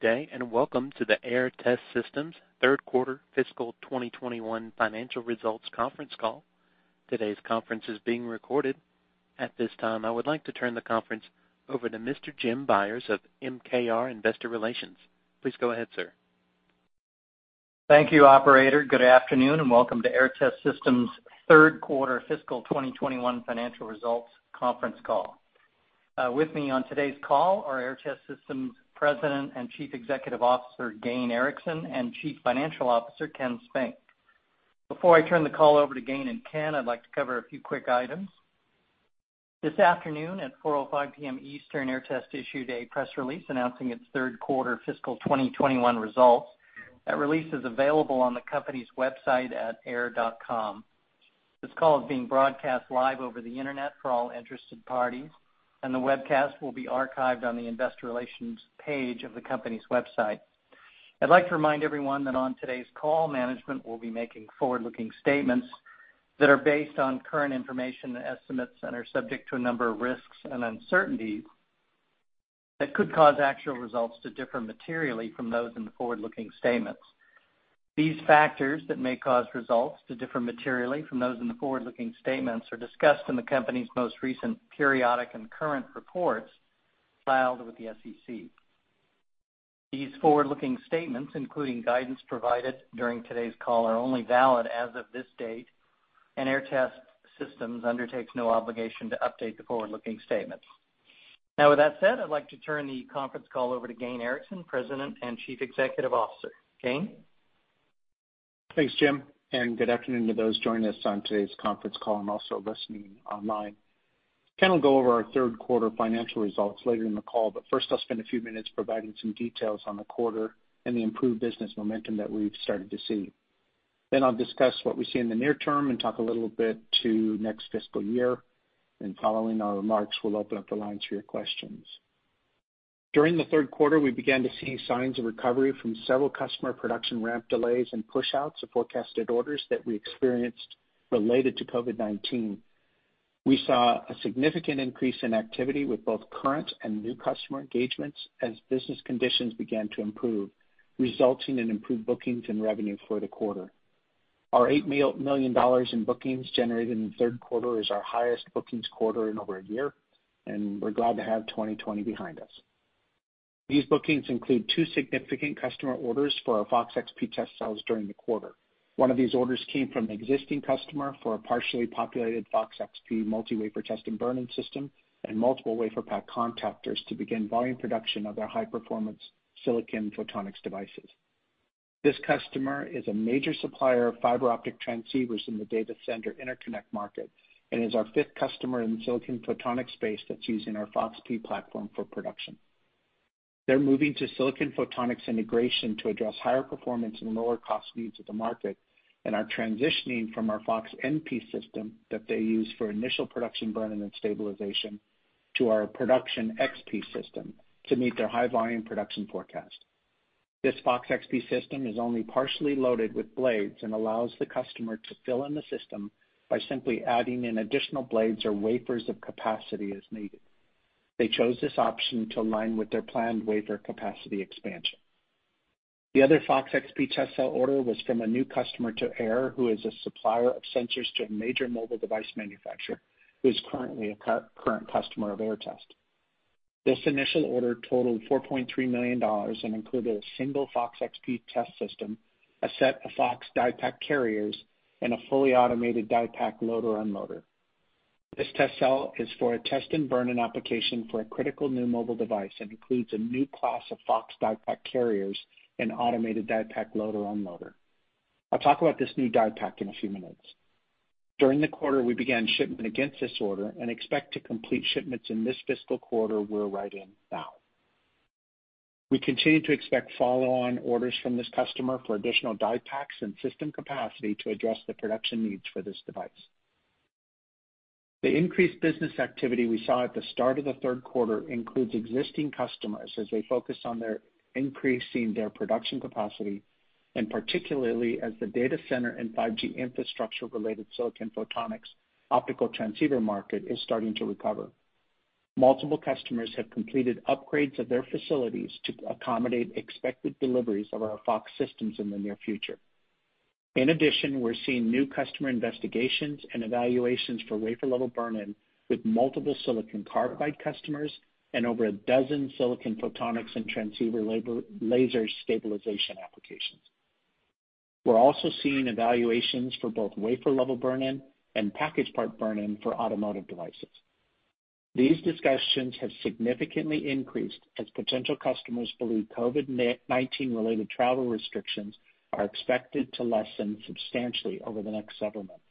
Today and welcome to the Aehr Test Systems Third Quarter Fiscal 2021 Financial Results Conference Call. Today's conference is being recorded. At this time, I would like to turn the conference over to Mr. Jim Byers of MKR Investor Relations. Please go ahead, sir. Thank you, operator. Good afternoon, and welcome to Aehr Test Systems' third quarter fiscal 2021 financial results conference call. With me on today's call are Aehr Test Systems' President and Chief Executive Officer, Gayn Erickson, and Chief Financial Officer, Ken Spink. Before I turn the call over to Gayn and Ken, I'd like to cover a few quick items. This afternoon at 4:05 P.M. Eastern, Aehr Test issued a press release announcing its third quarter fiscal 2021 results. That release is available on the company's website at aehr.com. This call is being broadcast live over the internet for all interested parties, and the webcast will be archived on the Investor Relations page of the company's website. I'd like to remind everyone that on today's call, management will be making forward-looking statements that are based on current information and estimates and are subject to a number of risks and uncertainties that could cause actual results to differ materially from those in the forward-looking statements. These factors that may cause results to differ materially from those in the forward-looking statements are discussed in the company's most recent periodic and current reports filed with the SEC. These forward-looking statements, including guidance provided during today's call, are only valid as of this date, and Aehr Test Systems undertakes no obligation to update the forward-looking statements. Now, with that said, I'd like to turn the conference call over to Gayn Erickson, President and Chief Executive Officer. Gayn? Thanks, Jim. Good afternoon to those joining us on today's conference call and also listening online. Ken will go over our third quarter financial results later in the call, but first, I'll spend a few minutes providing some details on the quarter and the improved business momentum that we've started to see. I'll discuss what we see in the near term and talk a little bit to next fiscal year. Following our remarks, we'll open up the lines for your questions. During the third quarter, we began to see signs of recovery from several customer production ramp delays and pushouts of forecasted orders that we experienced related to COVID-19. We saw a significant increase in activity with both current and new customer engagements as business conditions began to improve, resulting in improved bookings and revenue for the quarter. Our $8 million in bookings generated in the third quarter is our highest bookings quarter in over a year. We're glad to have 2020 behind us. These bookings include two significant customer orders for our FOX-XP test cells during the quarter. One of these orders came from an existing customer for a partially populated FOX-XP multi-wafer test and burn-in system and multiple WaferPak contactors to begin volume production of their high-performance silicon photonics devices. This customer is a major supplier of fiber optic transceivers in the data center interconnect market and is our fifth customer in the silicon photonics space that's using our FOX-P platform for production. They're moving to silicon photonics integration to address higher performance and lower cost needs of the market and are transitioning from our FOX-NP system that they use for initial production burn-in and stabilization to our FOX-XP system to meet their high-volume production forecast. This FOX-XP system is only partially loaded with blades and allows the customer to fill in the system by simply adding in additional blades or wafers of capacity as needed. They chose this option to align with their planned wafer capacity expansion. The other FOX-XP test cell order was from a new customer to Aehr, who is a supplier of sensors to a major mobile device manufacturer, who is currently a current customer of Aehr Test. This initial order totaled $4.3 million and included a single FOX-XP test system, a set of FOX DiePak Carriers, and a fully automated DiePak Loader unloader. This test cell is for a test and burn-in application for a critical new mobile device and includes a new class of FOX DiePak Carriers and automated DiePak Loader unloader. I'll talk about this new DiePak in a few minutes. During the quarter, we began shipment against this order and expect to complete shipments in this fiscal quarter we're right in now. We continue to expect follow-on orders from this customer for additional DiePaks and system capacity to address the production needs for this device. The increased business activity we saw at the start of the third quarter includes existing customers as they focus on their increasing their production capacity, and particularly as the data center and 5G infrastructure-related silicon photonics optical transceiver market is starting to recover. Multiple customers have completed upgrades of their facilities to accommodate expected deliveries of our FOX systems in the near future. In addition, we're seeing new customer investigations and evaluations for wafer-level burn-in with multiple silicon carbide customers and over a dozen silicon photonics and transceiver laser stabilization applications. We're also seeing evaluations for both wafer-level burn-in and package part burn-in for automotive devices. These discussions have significantly increased as potential customers believe COVID-19-related travel restrictions are expected to lessen substantially over the next several months.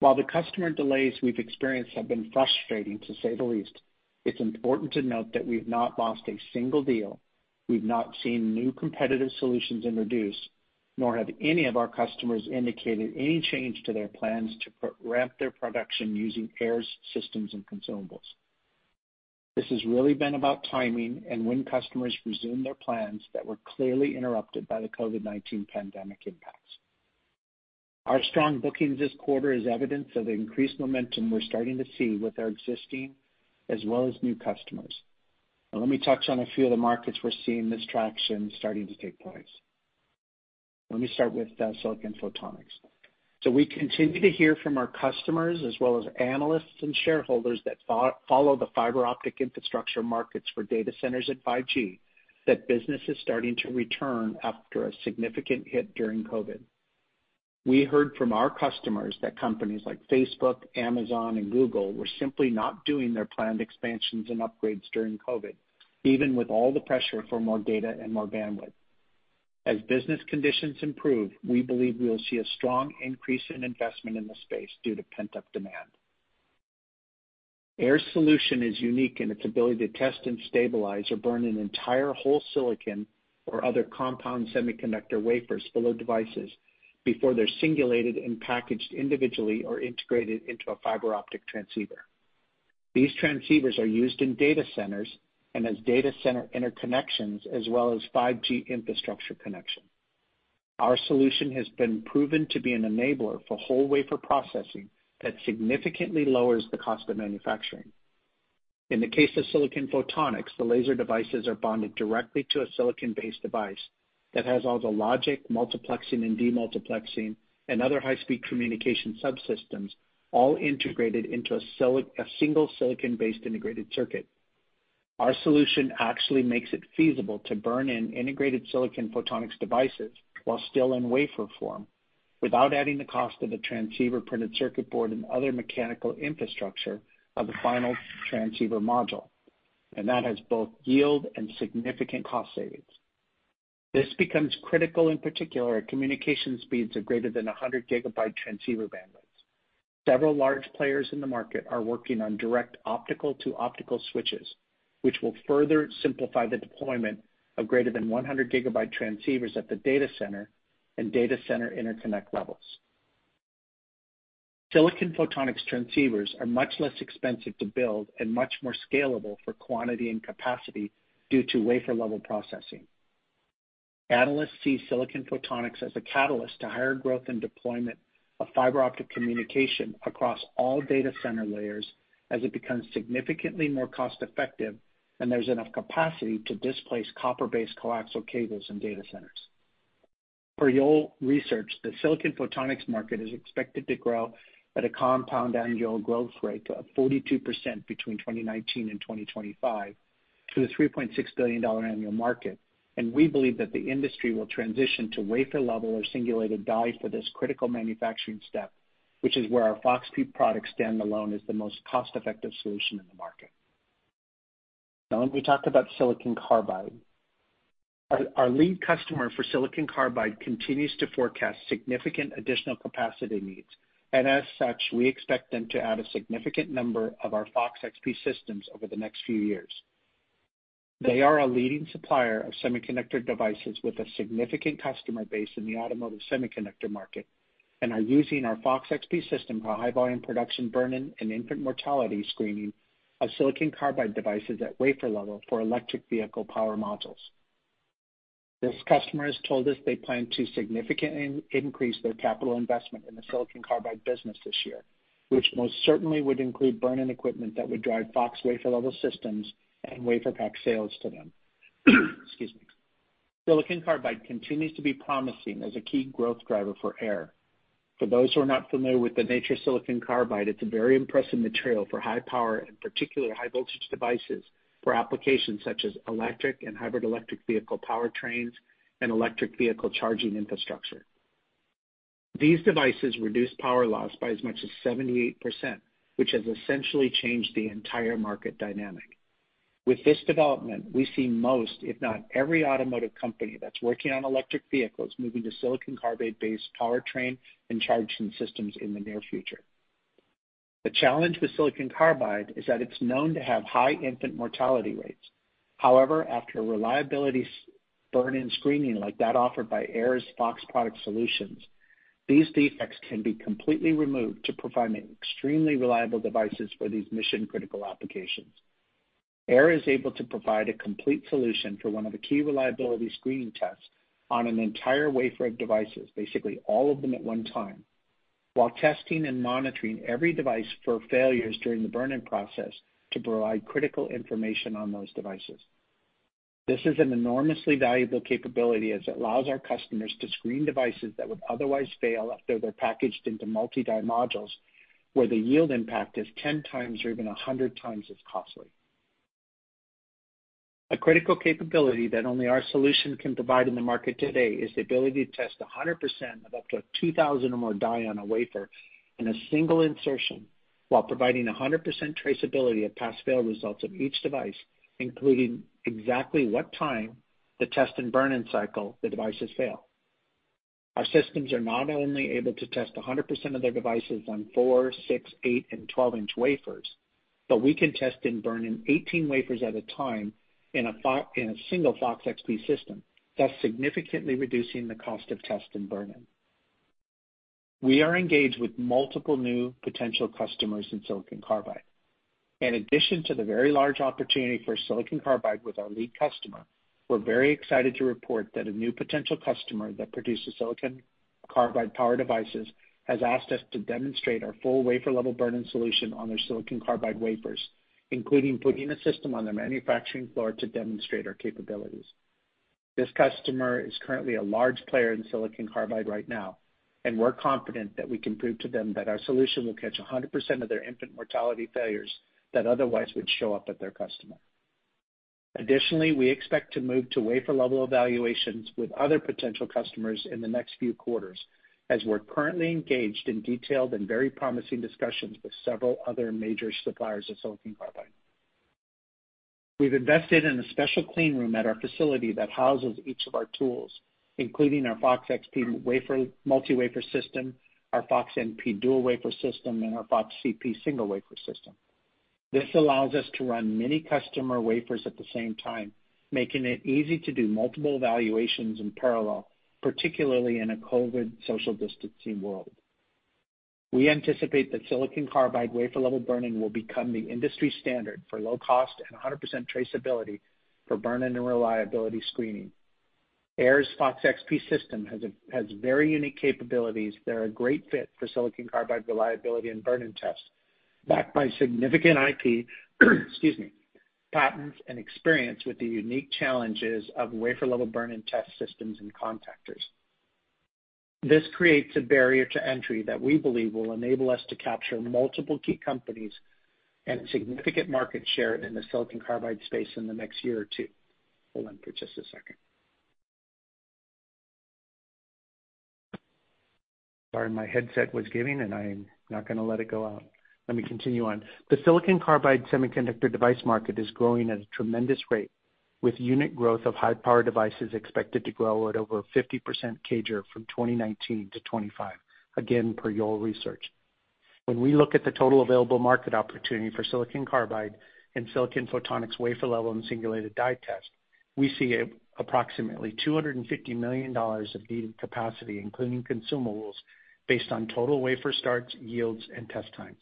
While the customer delays we've experienced have been frustrating, to say the least, it's important to note that we've not lost a single deal, we've not seen new competitive solutions introduced, nor have any of our customers indicated any change to their plans to ramp their production using Aehr's systems and consumables. This has really been about timing and when customers resume their plans that were clearly interrupted by the COVID-19 pandemic impact. Our strong bookings this quarter is evidence of increased momentum we're starting to see with our existing as well as new customers. Let me touch on a few of the markets we're seeing this traction starting to take place. Let me start with silicon photonics. We continue to hear from our customers as well as analysts and shareholders that follow the fiber optic infrastructure markets for data centers at 5G, that business is starting to return after a significant hit during COVID. We heard from our customers that companies like Facebook, Amazon, and Google were simply not doing their planned expansions and upgrades during COVID, even with all the pressure for more data and more bandwidth. As business conditions improve, we believe we will see a strong increase in investment in the space due to pent-up demand. Aehr's solution is unique in its ability to test and stabilize or burn an entire whole silicon or other compound semiconductor wafers, full of devices before they're singulated and packaged individually or integrated into a fiber optic transceiver. These transceivers are used in data centers and as data center interconnections, as well as 5G infrastructure connection. Our solution has been proven to be an enabler for whole-wafer processing that significantly lowers the cost of manufacturing. In the case of silicon photonics, the laser devices are bonded directly to a silicon-based device that has all the logic, multiplexing and demultiplexing, and other high-speed communication subsystems all integrated into a single silicon-based integrated circuit. Our solution actually makes it feasible to burn in integrated silicon photonics devices while still in wafer form, without adding the cost of the transceiver printed circuit board and other mechanical infrastructure of the final transceiver module, and that has both yield and significant cost savings. This becomes critical, in particular, at communication speeds of greater than 100 GB transceiver bandwidth. Several large players in the market are working on direct optical to optical switches, which will further simplify the deployment of greater than 100 GB transceivers at the data center and data center interconnect levels. silicon photonics transceivers are much less expensive to build and much more scalable for quantity and capacity due to wafer level processing. Analysts see silicon photonics as a catalyst to higher growth and deployment of fiber optic communication across all data center layers as it becomes significantly more cost-effective and there's enough capacity to displace copper-based coaxial cables in data centers. Per Yole Research, the silicon photonics market is expected to grow at a compound annual growth rate of 42% between 2019 and 2025 to the $3.6 billion annual market. We believe that the industry will transition to wafer level or singulated die for this critical manufacturing step, which is where our FOX-XP product standalone is the most cost-effective solution in the market. Let me talk about silicon carbide. Our lead customer for silicon carbide continues to forecast significant additional capacity needs. As such, we expect them to add a significant number of our FOX-XP systems over the next few years. They are a leading supplier of semiconductor devices with a significant customer base in the automotive semiconductor market and are using our FOX-XP system for high-volume production burn-in and infant mortality screening of silicon carbide devices at wafer level for electric vehicle power modules. This customer has told us they plan to significantly increase their capital investment in the silicon carbide business this year, which most certainly would include burn-in equipment that would drive FOX wafer level systems and WaferPak sales to them. Excuse me. Silicon carbide continues to be promising as a key growth driver for Aehr. For those who are not familiar with the nature of silicon carbide, it's a very impressive material for high power and particularly high voltage devices for applications such as electric and hybrid electric vehicle powertrains and electric vehicle charging infrastructure. These devices reduce power loss by as much as 78%, which has essentially changed the entire market dynamic. With this development, we see most, if not every automotive company that's working on electric vehicles moving to silicon carbide-based powertrain and charging systems in the near future. The challenge with silicon carbide is that it's known to have high infant mortality rates. However, after reliability burn-in screening like that offered by Aehr's FOX product solutions, these defects can be completely removed to provide extremely reliable devices for these mission-critical applications. Aehr is able to provide a complete solution for one of the key reliability screening tests on an entire wafer of devices, basically all of them at one time, while testing and monitoring every device for failures during the burn-in process to provide critical information on those devices. This is an enormously valuable capability, as it allows our customers to screen devices that would otherwise fail after they're packaged into multi-die modules, where the yield impact is 10x or even 100x as costly. A critical capability that only our solution can provide in the market today is the ability to test 100% of up to 2,000 or more die on a wafer in a single insertion while providing 100% traceability of pass-fail results of each device, including exactly what time the test and burn-in cycle the devices fail. Our systems are not only able to test 100% of their devices on 4, 6, 8, and 12-inch wafers, but we can test and burn-in 18 wafers at a time in a single FOX-XP system, thus significantly reducing the cost of test and burn-in. We are engaged with multiple new potential customers in silicon carbide. In addition to the very large opportunity for silicon carbide with our lead customer, we're very excited to report that a new potential customer that produces silicon carbide power devices has asked us to demonstrate our full wafer level burn-in solution on their silicon carbide wafers, including putting a system on their manufacturing floor to demonstrate our capabilities. This customer is currently a large player in silicon carbide right now, and we're confident that we can prove to them that our solution will catch 100% of their infant mortality failures that otherwise would show up at their customer. Additionally, we expect to move to wafer level evaluations with other potential customers in the next few quarters, as we're currently engaged in detailed and very promising discussions with several other major suppliers of silicon carbide. We've invested in a special clean room at our facility that houses each of our tools, including our FOX-XP multi-wafer system, our FOX-NP dual wafer system, and our FOX-CP single wafer system. This allows us to run many customer wafers at the same time, making it easy to do multiple evaluations in parallel, particularly in a COVID social distancing world. We anticipate that silicon carbide wafer level burning will become the industry standard for low cost and 100% traceability for burn-in and reliability screening. Aehr's FOX-XP system has very unique capabilities that are a great fit for silicon carbide reliability and burn-in tests, backed by significant IP, excuse me, patents, and experience with the unique challenges of wafer level burn-in test systems and contactors. This creates a barrier to entry that we believe will enable us to capture multiple key companies and significant market share in the silicon carbide space in the next year or two. Hold on for just a second. Sorry, my headset was giving, and I'm not going to let it go out. Let me continue on. The silicon carbide semiconductor device market is growing at a tremendous rate, with unit growth of high power devices expected to grow at over 50% CAGR from 2019 to 2025, again, per Yole Research. When we look at the total available market opportunity for silicon carbide and silicon photonics wafer level and singulated die test, we see approximately $250 million of needed capacity, including consumables, based on total wafer starts, yields, and test times.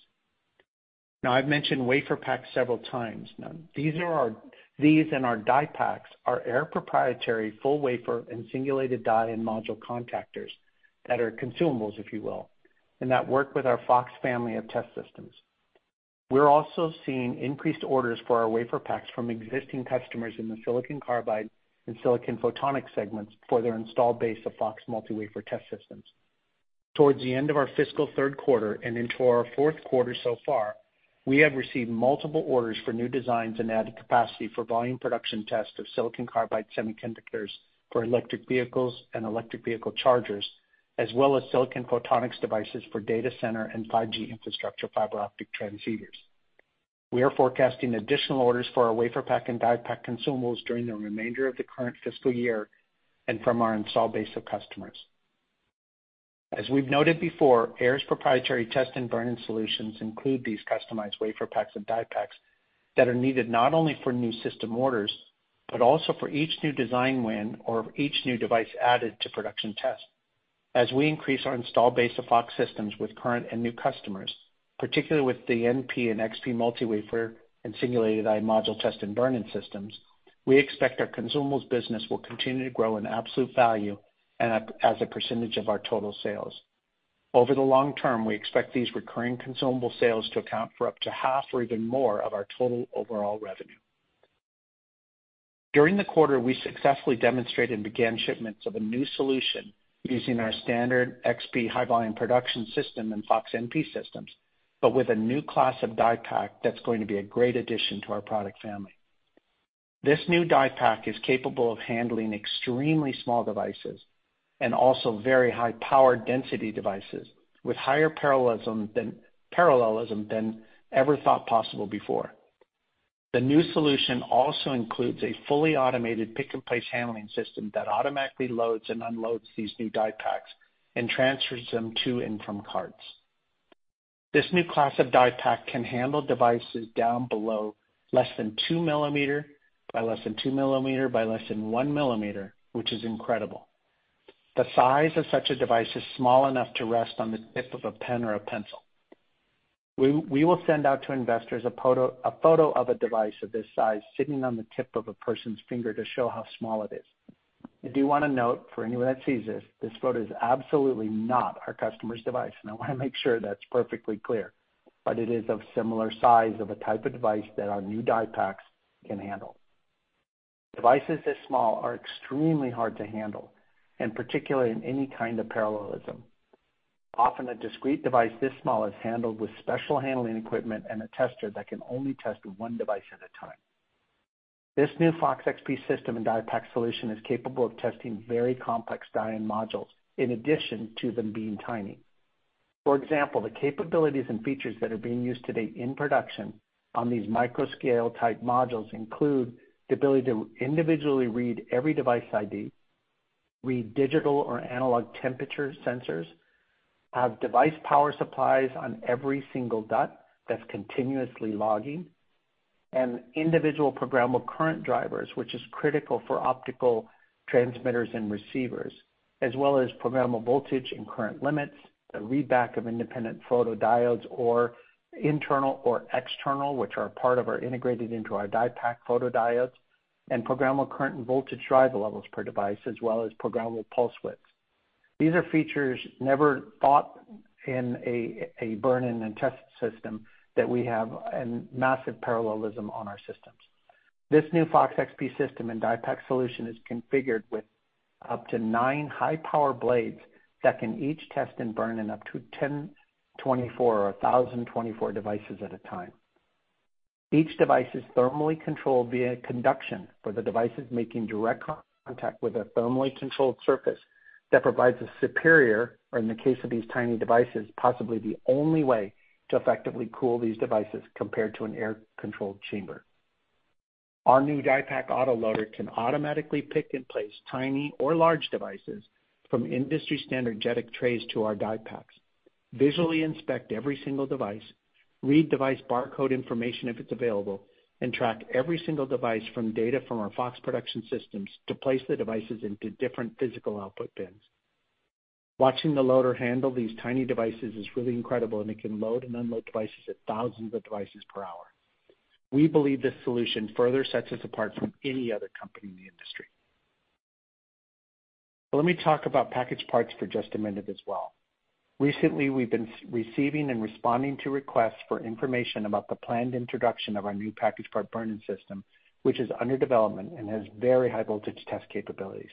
Now I've mentioned WaferPaks several times now. These and our DiePaks are Aehr proprietary full wafer and singulated die and module contactors that are consumables, if you will, and that work with our FOX family of test systems. We are also seeing increased orders for our WaferPaks from existing customers in the silicon carbide and silicon photonics segments for their installed base of FOX multi-wafer test systems. Towards the end of our fiscal third quarter and into our fourth quarter so far, we have received multiple orders for new designs and added capacity for volume production test of silicon carbide semiconductors for electric vehicles and electric vehicle chargers, as well as silicon photonics devices for data center and 5G infrastructure fiber optic transceivers. We are forecasting additional orders for our WaferPak and DiePak consumables during the remainder of the current fiscal year and from our install base of customers. As we've noted before, Aehr's proprietary test and burn-in solutions include these customized WaferPaks and DiePaks that are needed not only for new system orders, but also for each new design win or each new device added to production test. As we increase our install base of FOX systems with current and new customers, particularly with the NP and XP multi-wafer and singulated module test and burn-in systems, we expect our consumables business will continue to grow in absolute value and as a percentage of our total sales. Over the long term, we expect these recurring consumable sales to account for up to half or even more of our total overall revenue. During the quarter, we successfully demonstrated and began shipments of a new solution using our standard XP high volume production system and FOX-NP systems, with a new class of DiePak that's going to be a great addition to our product family. This new DiePak is capable of handling extremely small devices and also very high power density devices with higher parallelism than ever thought possible before. The new solution also includes a fully automated pick-and-place handling system that automatically loads and unloads these new DiePaks and transfers them to and from carts. This new class of DiePak can handle devices down below less than two millimeter by less than two millimeter by less than one millimeter, which is incredible. The size of such a device is small enough to rest on the tip of a pen or a pencil. We will send out to investors a photo of a device of this size sitting on the tip of a person's finger to show how small it is. I do want to note, for anyone that sees this photo is absolutely not our customer's device, and I want to make sure that's perfectly clear. It is of similar size of a type of device that our new DiePaks can handle. Devices this small are extremely hard to handle, and particularly in any kind of parallelism. Often, a discrete device this small is handled with special handling equipment and a tester that can only test one device at a time. This new FOX-XP system and DiePak solution is capable of testing very complex die modules in addition to them being tiny. For example, the capabilities and features that are being used today in production on these micro scale type modules include the ability to individually read every device ID, read digital or analog temperature sensors, have device power supplies on every single DUT that's continuously logging and individual programmable current drivers, which is critical for optical transmitters and receivers, as well as programmable voltage and current limits, the readback of independent photodiodes or internal or external, which are part of our integrated into our DiePak photodiodes, and programmable current and voltage driver levels per device, as well as programmable pulse widths. These are features never thought in a burn-in and test system that we have a massive parallelism on our systems. This new FOX-XP system and DiePak solution is configured with up to nine high-power blades that can each test and burn in up to 1,024 devices at a time. Each device is thermally controlled via conduction, where the device is making direct contact with a thermally controlled surface that provides a superior, or in the case of these tiny devices, possibly the only way to effectively cool these devices compared to an air-controlled chamber. Our new DiePak Autoloader can automatically pick and place tiny or large devices from industry-standard JEDEC trays to our DiePaks, visually inspect every single device, read device barcode information if it's available, and track every single device from data from our FOX production systems to place the devices into different physical output bins. Watching the loader handle these tiny devices is really incredible, and it can load and unload devices at thousands of devices per hour. We believe this solution further sets us apart from any other company in the industry. Let me talk about packaged parts for just a minute as well. Recently, we've been receiving and responding to requests for information about the planned introduction of our new packaged part burn-in system, which is under development and has very high voltage test capabilities.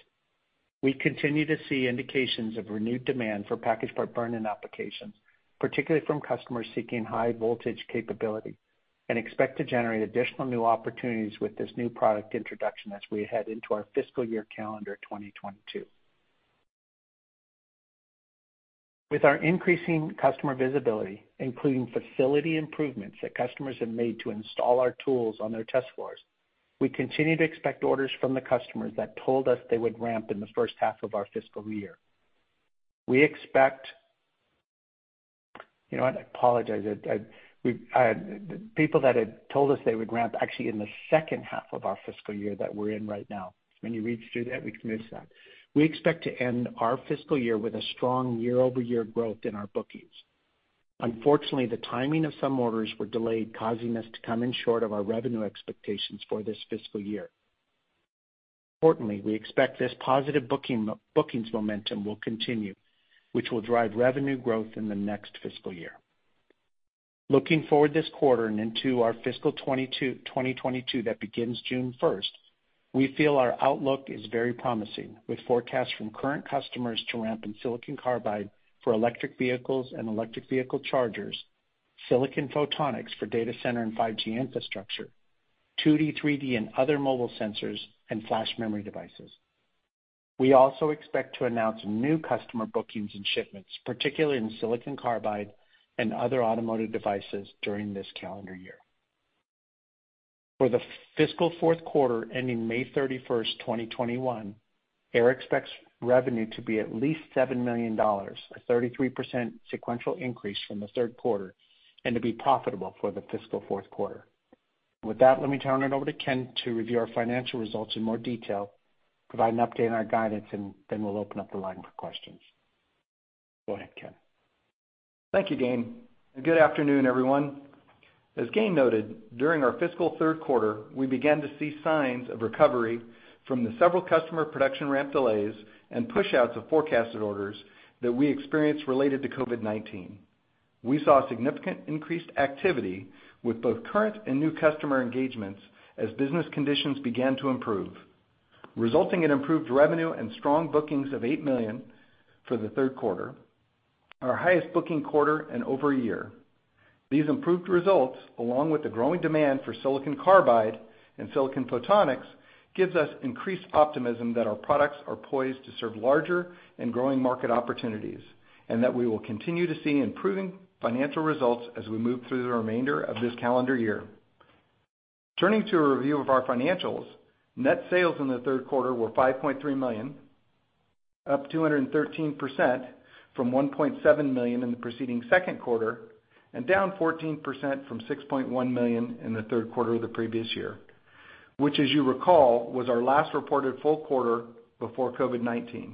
We continue to see indications of renewed demand for packaged part burn-in applications, particularly from customers seeking high voltage capability, and expect to generate additional new opportunities with this new product introduction as we head into our fiscal year calendar 2022. With our increasing customer visibility, including facility improvements that customers have made to install our tools on their test floors, we continue to expect orders from the customers that told us they would ramp in the first half of our fiscal year. You know what? I apologize. People that had told us they would ramp actually in the second half of our fiscal year that we're in right now. When you read through that, we committed to that. We expect to end our fiscal year with a strong year-over-year growth in our bookings. Unfortunately, the timing of some orders were delayed, causing us to come in short of our revenue expectations for this fiscal year. Importantly, we expect this positive bookings momentum will continue, which will drive revenue growth in the next fiscal year. Looking forward this quarter and into our fiscal 2022 that begins June 1st, we feel our outlook is very promising, with forecasts from current customers to ramp in silicon carbide for electric vehicles and electric vehicle chargers, silicon photonics for data center and 5G infrastructure, 2D, 3D, and other mobile sensors, and flash memory devices. We also expect to announce new customer bookings and shipments, particularly in silicon carbide and other automotive devices, during this calendar year. For the fiscal fourth quarter ending May 31st, 2021, Aehr expects revenue to be at least $7 million, a 33% sequential increase from the third quarter, and to be profitable for the fiscal fourth quarter. With that, let me turn it over to Ken to review our financial results in more detail, provide an update on our guidance, then we'll open up the line for questions. Go ahead, Ken. Thank you, Gayn, and good afternoon, everyone. As Gayn noted, during our fiscal third quarter, we began to see signs of recovery from the several customer production ramp delays and pushouts of forecasted orders that we experienced related to COVID-19. We saw significant increased activity with both current and new customer engagements as business conditions began to improve, resulting in improved revenue and strong bookings of $8 million for the third quarter, our highest booking quarter in over a year. These improved results, along with the growing demand for silicon carbide and silicon photonics, gives us increased optimism that our products are poised to serve larger and growing market opportunities, and that we will continue to see improving financial results as we move through the remainder of this calendar year. Turning to a review of our financials, net sales in the third quarter were $5.3 million, up 213% from $1.7 million in the preceding second quarter, and down 14% from $6.1 million in the third quarter of the previous year, which, as you recall, was our last reported full quarter before COVID-19.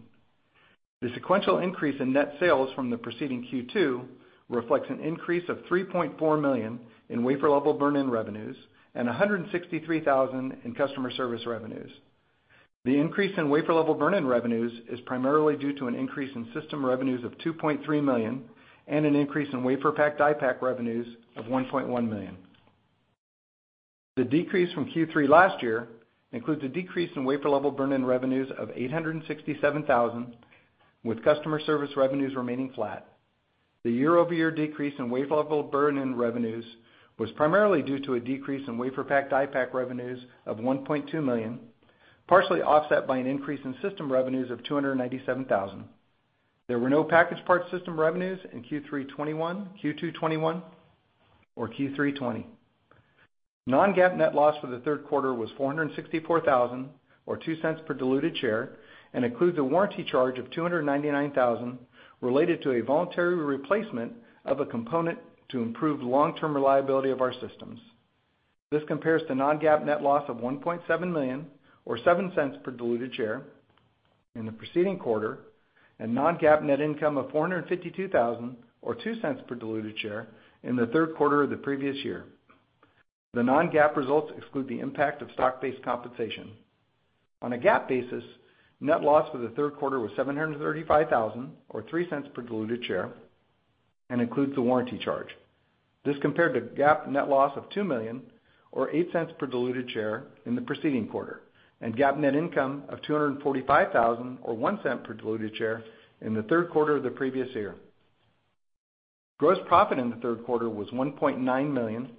The sequential increase in net sales from the preceding Q2 reflects an increase of $3.4 million in wafer-level burn-in revenues and $163,000 in customer service revenues. The increase in wafer-level burn-in revenues is primarily due to an increase in system revenues of $2.3 million and an increase in WaferPak DiePaks revenues of $1.1 million. The decrease from Q3 last year includes a decrease in wafer-level burn-in revenues of $867,000, with customer service revenues remaining flat. The year-over-year decrease in wafer level burn-in revenues was primarily due to a decrease in WaferPak DiePaks revenues of $1.2 million, partially offset by an increase in system revenues of $297,000. There were no packaged part system revenues in Q2 2021 or Q3 2020. Non-GAAP net loss for the third quarter was $464,000, or $0.02 per diluted share, and includes a warranty charge of $299,000, related to a voluntary replacement of a component to improve the long-term reliability of our systems. This compares to Non-GAAP net loss of $1.7 million or $0.07 per diluted share in the preceding quarter, and Non-GAAP net income of $452,000 or $0.02 per diluted share in the third quarter of the previous year. The Non-GAAP results exclude the impact of stock-based compensation. On a GAAP basis, net loss for the third quarter was $735,000 or $0.03 per diluted share, and includes the warranty charge. This compared to GAAP net loss of $2 million or $0.08 per diluted share in the preceding quarter, and GAAP net income of $245,000 or $0.01 per diluted share in the third quarter of the previous year. Gross profit in the third quarter was $1.9 million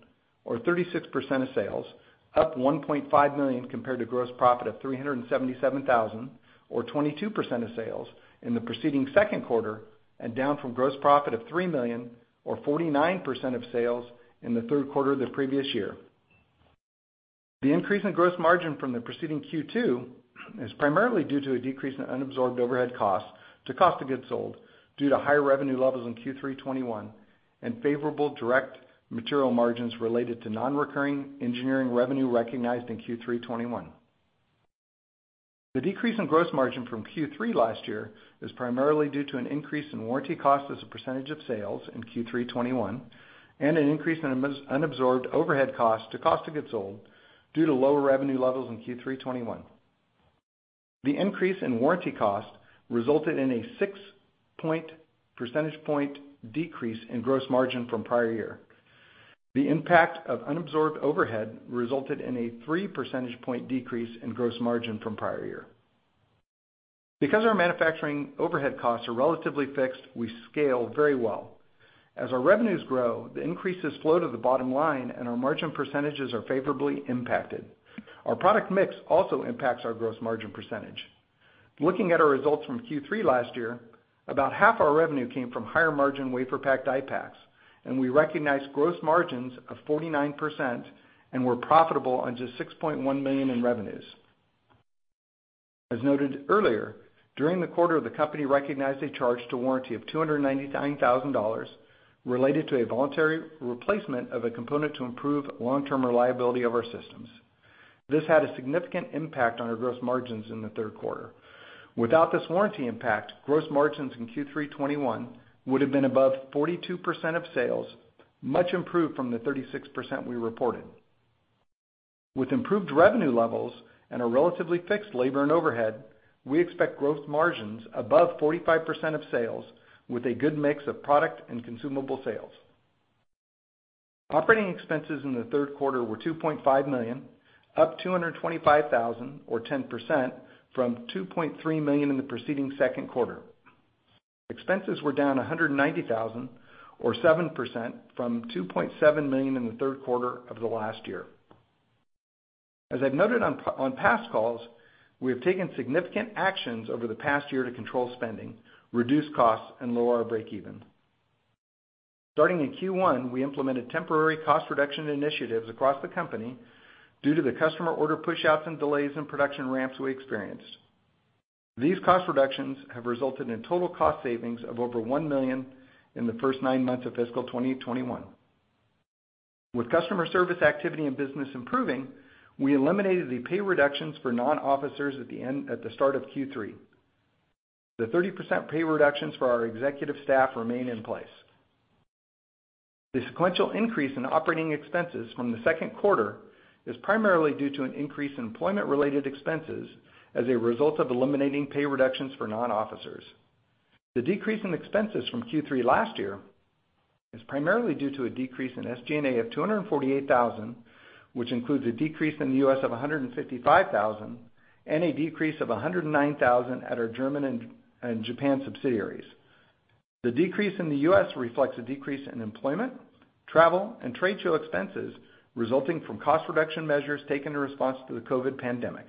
or 36% of sales, up $1.5 million compared to gross profit of $377,000 or 22% of sales in the preceding second quarter, and down from gross profit of $3 million or 49% of sales in the third quarter of the previous year. The increase in gross margin from the preceding Q2 is primarily due to a decrease in unabsorbed overhead cost to cost of goods sold, due to higher revenue levels in Q3 2021, and favorable direct material margins related to non-recurring engineering revenue recognized in Q3 2021. The decrease in gross margin from Q3 last year is primarily due to an increase in warranty cost as a percentage of sales in Q3 2021, and an increase in unabsorbed overhead cost to cost of goods sold, due to lower revenue levels in Q3 2021. The increase in warranty cost resulted in a 6 percentage point decrease in gross margin from prior year. The impact of unabsorbed overhead resulted in a 3 percentage point decrease in gross margin from prior year. Because our manufacturing overhead costs are relatively fixed, we scale very well. As our revenues grow, the increases flow to the bottom line and our margin percentages are favorably impacted. Our product mix also impacts our gross margin percentage. Looking at our results from Q3 last year, about half our revenue came from higher margin WaferPak DiePaks, and we recognized gross margins of 49% and were profitable on just $6.1 million in revenues. As noted earlier, during the quarter, the company recognized a charge to warranty of $299,000 related to a voluntary replacement of a component to improve long-term reliability of our systems. This had a significant impact on our gross margins in the third quarter. Without this warranty impact, gross margins in Q3 2021 would've been above 42% of sales, much improved from the 36% we reported. With improved revenue levels and a relatively fixed labor and overhead, we expect gross margins above 45% of sales with a good mix of product and consumable sales. Operating expenses in the third quarter were $2.5 million, up $225,000 or 10% from $2.3 million in the preceding second quarter. Expenses were down $190,000 or 7% from $2.7 million in the third quarter of the last year. As I've noted on past calls, we have taken significant actions over the past year to control spending, reduce costs, and lower our breakeven. Starting in Q1, we implemented temporary cost reduction initiatives across the company due to the customer order pushouts and delays in production ramps we experienced. These cost reductions have resulted in total cost savings of over $1 million in the first nine months of fiscal 2021. With customer service activity and business improving, we eliminated the pay reductions for non-officers at the start of Q3. The 30% pay reductions for our executive staff remain in place. The sequential increase in operating expenses from the second quarter is primarily due to an increase in employment-related expenses as a result of eliminating pay reductions for non-officers. The decrease in expenses from Q3 last year is primarily due to a decrease in SG&A of $248,000, which includes a decrease in the U.S. of $155,000 and a decrease of $109,000 at our German and Japan subsidiaries. The decrease in the U.S. reflects a decrease in employment, travel, and trade show expenses resulting from cost reduction measures taken in response to the COVID pandemic.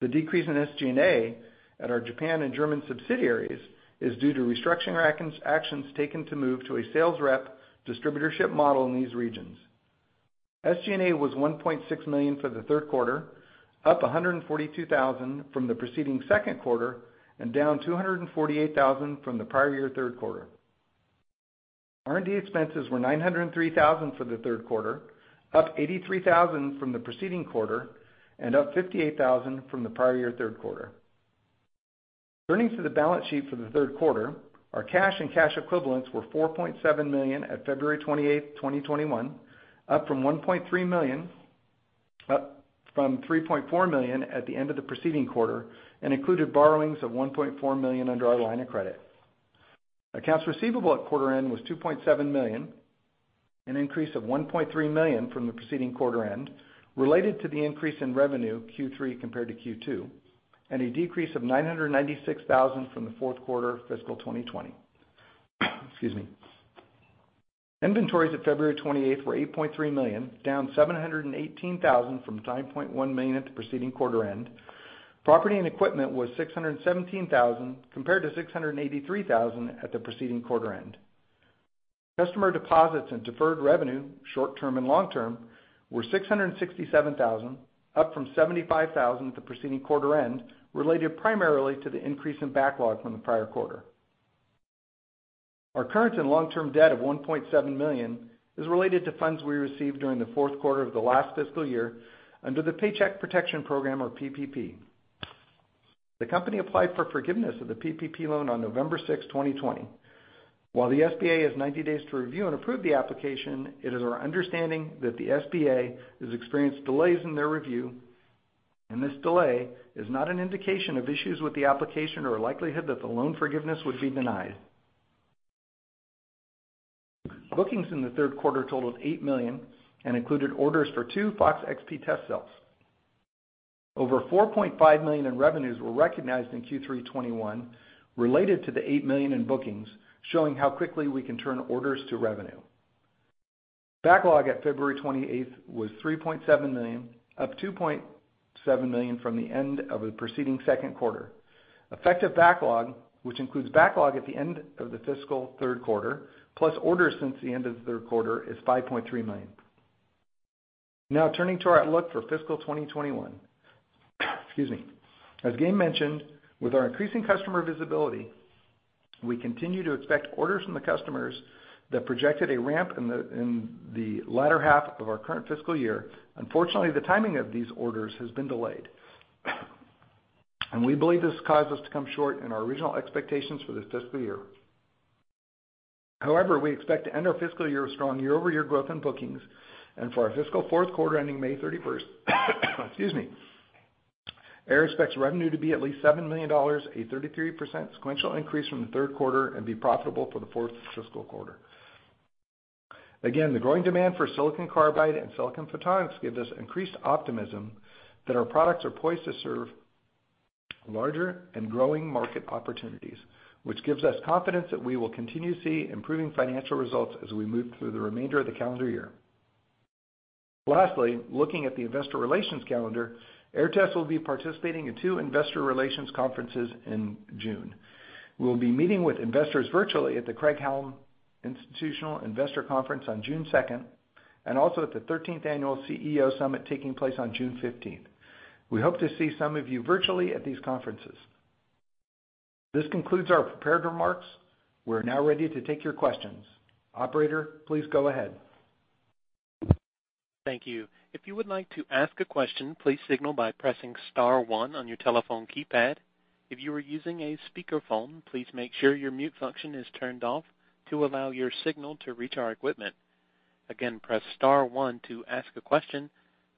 The decrease in SG&A at our Japan and German subsidiaries is due to restructuring actions taken to move to a sales rep distributorship model in these regions. SG&A was $1.6 million for the third quarter, up $142,000 from the preceding second quarter, and down $248,000 from the prior year third quarter. R&D expenses were $903,000 for the third quarter, up $83,000 from the preceding quarter, and up $58,000 from the prior year third quarter. Turning to the balance sheet for the third quarter, our cash and cash equivalents were $4.7 million at February 28, 2021, up from $3.4 million at the end of the preceding quarter, and included borrowings of $1.4 million under our line of credit. Accounts receivable at quarter end was $2.7 million, an increase of $1.3 million from the preceding quarter end, related to the increase in revenue Q3 compared to Q2, and a decrease of $996,000 from the fourth quarter of fiscal 2020. Excuse me. Inventories at February 28 were $8.3 million, down $718,000 from $9.1 million at the preceding quarter end. Property and equipment was $617,000 compared to $683,000 at the preceding quarter end. Customer deposits and deferred revenue, short-term and long-term, were $667,000, up from $75,000 at the preceding quarter end, related primarily to the increase in backlog from the prior quarter. Our current and long-term debt of $1.7 million is related to funds we received during the fourth quarter of the last fiscal year under the Paycheck Protection Program or PPP. The company applied for forgiveness of the PPP loan on November 6th, 2020. While the SBA has 90 days to review and approve the application, it is our understanding that the SBA has experienced delays in their review, and this delay is not an indication of issues with the application or a likelihood that the loan forgiveness would be denied. Bookings in the third quarter totaled $8 million and included orders for two FOX-XP test cells. Over $4.5 million in revenues were recognized in Q3 2021 related to the $8 million in bookings, showing how quickly we can turn orders to revenue. Backlog at February 28th was $3.7 million, up $2.7 million from the end of the preceding second quarter. Effective backlog, which includes backlog at the end of the fiscal third quarter, plus orders since the end of the third quarter, is $5.3 million. Turning to our outlook for fiscal 2021. Excuse me. As Gayn mentioned, with our increasing customer visibility, we continue to expect orders from the customers that projected a ramp in the latter half of our current fiscal year. The timing of these orders has been delayed. We believe this caused us to come short in our original expectations for this fiscal year. We expect to end our fiscal year with strong year-over-year growth in bookings, and for our fiscal fourth quarter ending May 31st, excuse me, Aehr expects revenue to be at least $7 million, a 33% sequential increase from the third quarter, and be profitable for the fourth fiscal quarter. The growing demand for silicon carbide and silicon photonics gives us increased optimism that our products are poised to serve larger and growing market opportunities, which gives us confidence that we will continue to see improving financial results as we move through the remainder of the calendar year. Looking at the Investor Relations calendar, Aehr Test will be participating in two Investor Relations conferences in June. We'll be meeting with investors virtually at the Craig-Hallum Institutional Investor Conference on June 2nd, and also at the 13th Annual CEO Summit taking place on June 15th. We hope to see some of you virtually at these conferences. This concludes our prepared remarks. We are now ready to take your questions. Operator, please go ahead. Thank you.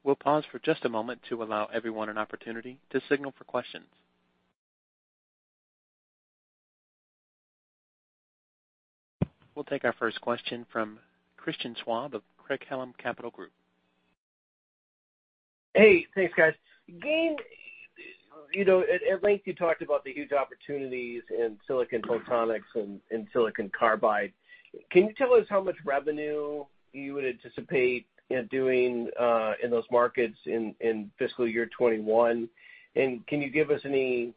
We'll pause for just a moment to allow everyone an opportunity to signal for questions. We'll take our first question from Christian Schwab of Craig-Hallum Capital Group. Hey, thanks, guys. Gayn, at length, you talked about the huge opportunities in silicon photonics and in silicon carbide. Can you tell us how much revenue you would anticipate doing in those markets in fiscal year 2021? Can you give us any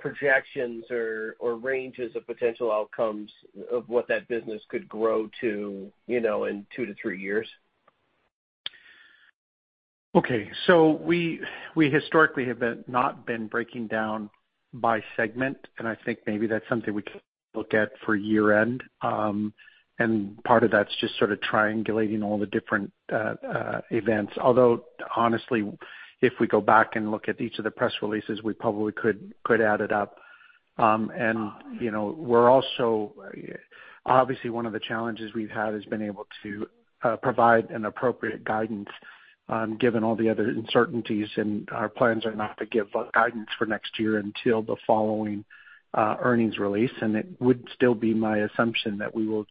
projections or ranges of potential outcomes of what that business could grow to in two to three years? Okay. We historically have not been breaking down by segment, and I think maybe that's something we can look at for year-end. Part of that's just sort of triangulating all the different events. Although honestly, if we go back and look at each of the press releases, we probably could add it up. Obviously one of the challenges we've had is being able to provide an appropriate guidance given all the other uncertainties, and our plans are not to give guidance for next year until the following earnings release. It would still be my assumption that we will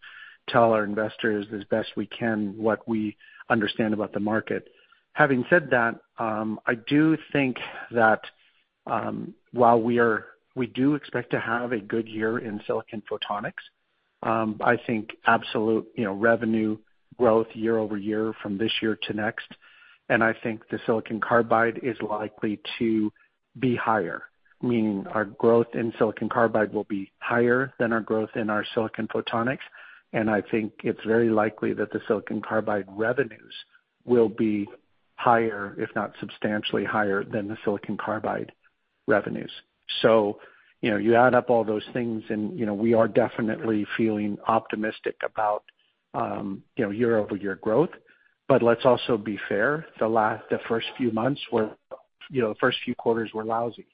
tell our investors as best we can what we understand about the market. Having said that, I do think that while we do expect to have a good year in silicon photonics, I think absolute revenue growth year-over-year from this year to next, I think the silicon carbide is likely to be higher, meaning our growth in silicon carbide will be higher than our growth in our silicon photonics. I think it's very likely that the silicon carbide revenues will be higher, if not substantially higher than the silicon photonics revenues. You add up all those things and we are definitely feeling optimistic about year-over-year growth. Let's also be fair, the first few quarters were lousy.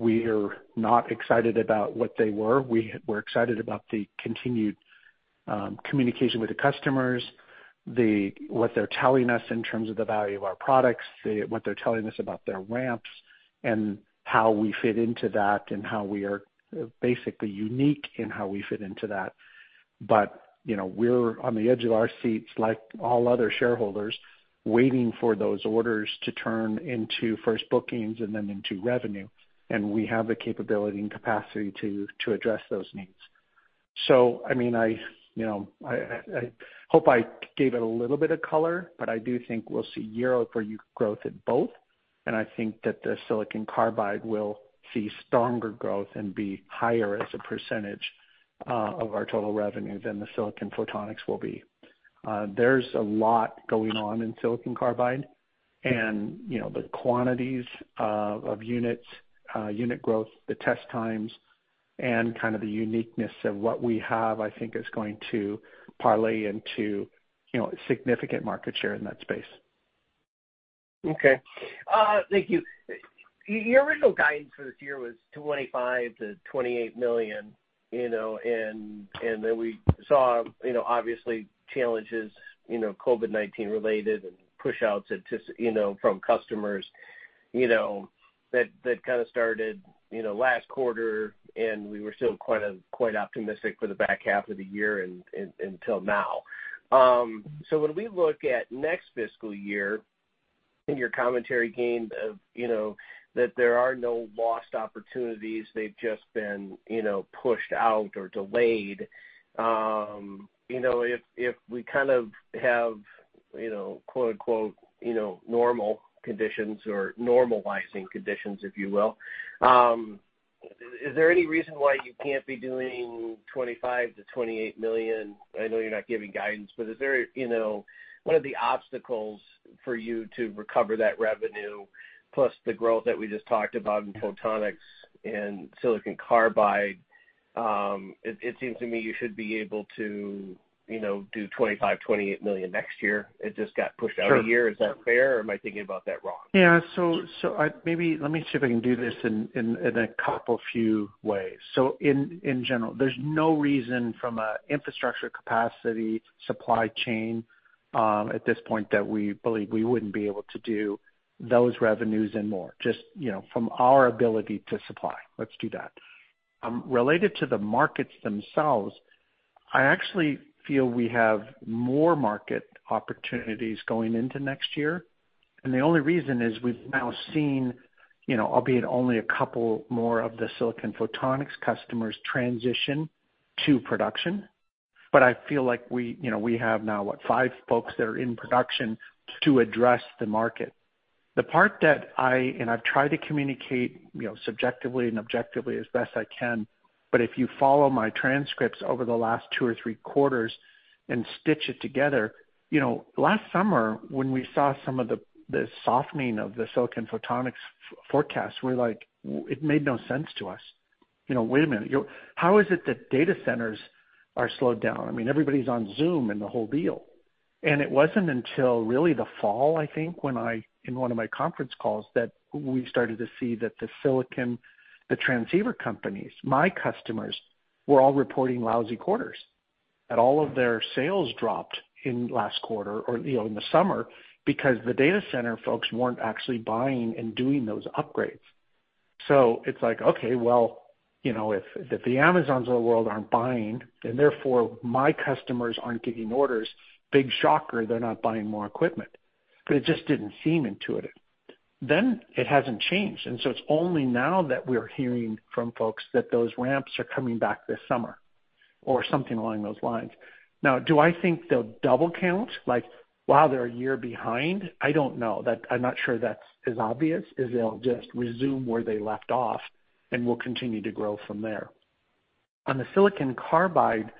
We're not excited about what they were. We're excited about the continued communication with the customers, what they're telling us in terms of the value of our products, what they're telling us about their ramps, and how we fit into that, and how we are basically unique in how we fit into that. We're on the edge of our seats like all other shareholders, waiting for those orders to turn into first bookings and then into revenue, and we have the capability and capacity to address those needs. I hope I gave it a little bit of color, but I do think we'll see year-over-year growth in both, and I think that the silicon carbide will see stronger growth and be higher as a % of our total revenue than the silicon photonics will be. There's a lot going on in silicon carbide and the quantities of unit growth, the test times, and the uniqueness of what we have, I think is going to parlay into significant market share in that space. Okay. Thank you. Your original guidance for this year was $25 million-$28 million. We saw, obviously challenges, COVID-19 related and push-outs from customers that started last quarter, and we were still quite optimistic for the back half of the year until now. When we look at next fiscal year in your commentary, Gayn, that there are no lost opportunities, they've just been pushed out or delayed. If we have, "normal conditions or normalizing conditions," if you will, is there any reason why you can't be doing $25 million-$28 million? I know you're not giving guidance, what are the obstacles for you to recover that revenue plus the growth that we just talked about in photonics and silicon carbide? It seems to me you should be able to do $25 million-$28 million next year. It just got pushed out a year. Is that fair or am I thinking about that wrong? Yeah. Maybe let me see if I can do this in a couple, few ways. In general, there's no reason from an infrastructure capacity supply chain, at this point that we believe we wouldn't be able to do those revenues and more just from our ability to supply. Let's do that. Related to the markets themselves, I actually feel we have more market opportunities going into next year, and the only reason is we've now seen, albeit only a couple more of the silicon photonics customers transition to production. I feel like we have now what? Five folks that are in production to address the market. The part that I've tried to communicate subjectively and objectively as best I can, but if you follow my transcripts over the last two or three quarters and stitch it together. Last summer when we saw some of the softening of the silicon photonics forecast, it made no sense to us. Wait a minute, how is it that data centers are slowed down? I mean, everybody's on Zoom and the whole deal. It wasn't until really the fall, I think, in one of my conference calls that we started to see that the transceiver companies, my customers, were all reporting lousy quarters. All of their sales dropped in last quarter or in the summer because the data center folks weren't actually buying and doing those upgrades. It's like, okay, well, if the Amazons of the world aren't buying, therefore my customers aren't giving orders, big shocker, they're not buying more equipment. It just didn't seem intuitive. It hasn't changed. It's only now that we're hearing from folks that those ramps are coming back this summer or something along those lines. Now, do I think they'll double count, like, wow, they're a year behind? I don't know. I'm not sure that's as obvious as they'll just resume where they left off, and we'll continue to grow from there. On the silicon carbide,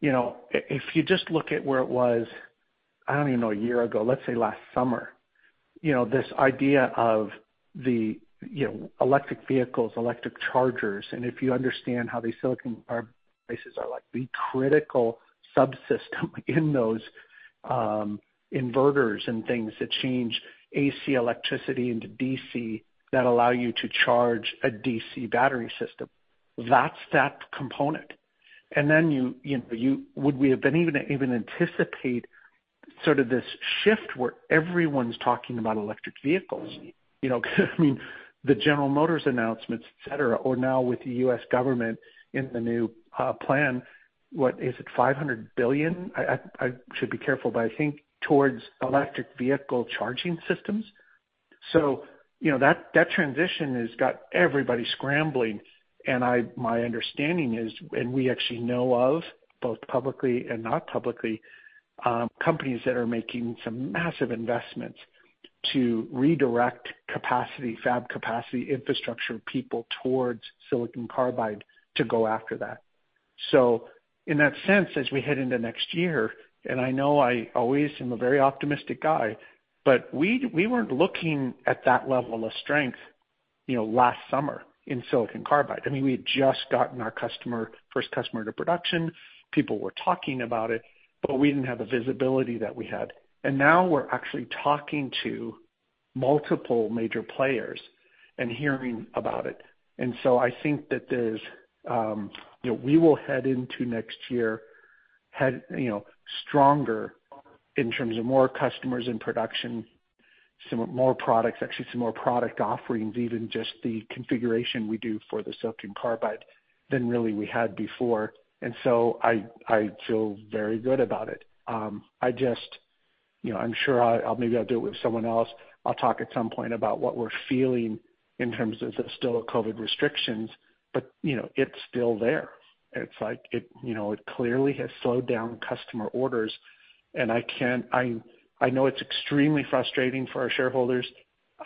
if you just look at where it was, I don't even know, a year ago, let's say last summer. This idea of the electric vehicles, electric chargers, and if you understand how these silicon carbide devices are like the critical subsystem in those inverters and things that change AC electricity into DC that allow you to charge a DC battery system. That's that component. Then would we have been even anticipate sort of this shift where everyone's talking about electric vehicles? I mean, the General Motors announcements, et cetera, or now with the U.S. government in the new plan, what is it, $500 billion? I should be careful, but I think towards electric vehicle charging systems. That transition has got everybody scrambling, and my understanding is, and we actually know of both publicly and not publicly, companies that are making some massive investments to redirect capacity, fab capacity, infrastructure, people towards silicon carbide to go after that. In that sense, as we head into next year, and I know I always am a very optimistic guy, but we weren't looking at that level of strength last summer in silicon carbide. We had just gotten our first customer to production. People were talking about it, but we didn't have the visibility that we had. Now we're actually talking to multiple major players and hearing about it. I think that we will head into next year stronger in terms of more customers in production, some more products, actually some more product offerings, even just the configuration we do for the silicon carbide than really we had before. I feel very good about it. I'm sure maybe I'll do it with someone else. I'll talk at some point about what we're feeling in terms of the still COVID restrictions, but it's still there. It clearly has slowed down customer orders, and I know it's extremely frustrating for our shareholders.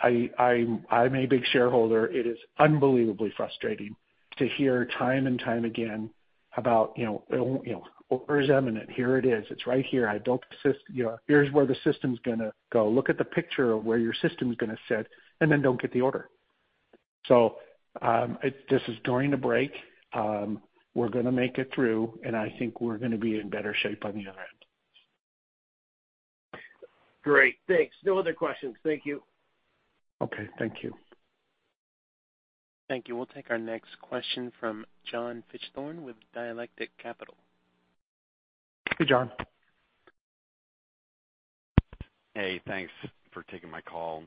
I'm a big shareholder. It is unbelievably frustrating to hear time and time again about, order's imminent, here it is. It's right here. Here's where the system's going to go. Look at the picture of where your system's going to sit, and then don't get the order. This is during the break. We're going to make it through, and I think we're going to be in better shape on the other end. Great. Thanks. No other questions. Thank you. Okay. Thank you. Thank you. We'll take our next question from John Fichthorn with Dialectic Capital. Hey, John. Hey, thanks for taking my call.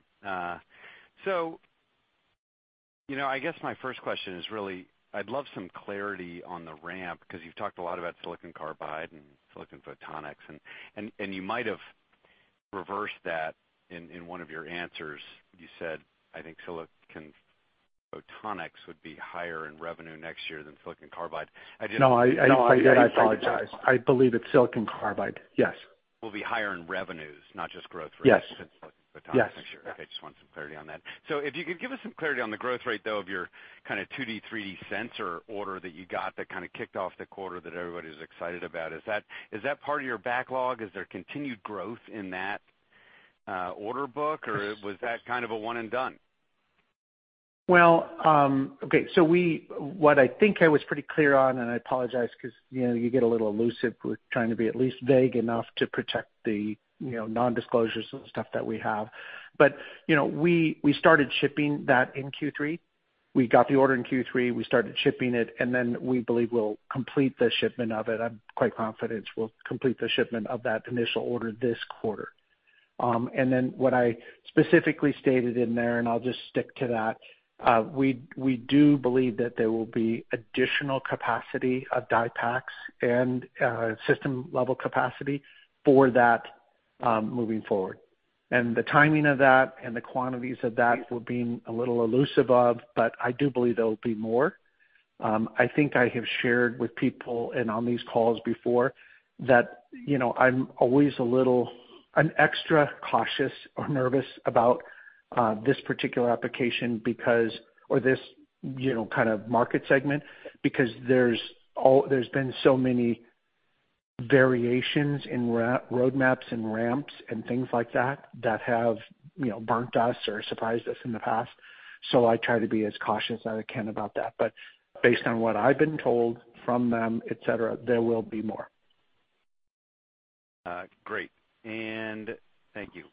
I guess my first question is really, I'd love some clarity on the ramp, because you've talked a lot about silicon carbide and silicon photonics, and you might have reversed that in one of your answers. You said, I think silicon photonics would be higher in revenue next year than silicon carbide. No, I apologize. I believe it's silicon carbide. Yes. Will be higher in revenues, not just growth rate for photonics next year. Yes. Okay. Just want some clarity on that. If you could give us some clarity on the growth rate, though, of your kind of 2D, 3D sensor order that you got that kind of kicked off the quarter that everybody was excited about. Is that part of your backlog? Is there continued growth in that order book, or was that kind of a one and done? Okay. What I think I was pretty clear on, and I apologize because you get a little elusive with trying to be at least vague enough to protect the nondisclosures and stuff that we have. We started shipping that in Q3. We got the order in Q3, we started shipping it, we believe we'll complete the shipment of it. I'm quite confident we'll complete the shipment of that initial order this quarter. What I specifically stated in there, and I'll just stick to that, we do believe that there will be additional capacity of DiePaks and system-level capacity for that, moving forward. The timing of that and the quantities of that we're being a little elusive of, but I do believe there'll be more. I think I have shared with people and on these calls before that I'm always a little, an extra cautious or nervous about this particular application because, or this kind of market segment because there's been so many variations in roadmaps and ramps and things like that that have burnt us or surprised us in the past. I try to be as cautious as I can about that. Based on what I've been told from them, et cetera, there will be more. Great. Thank you.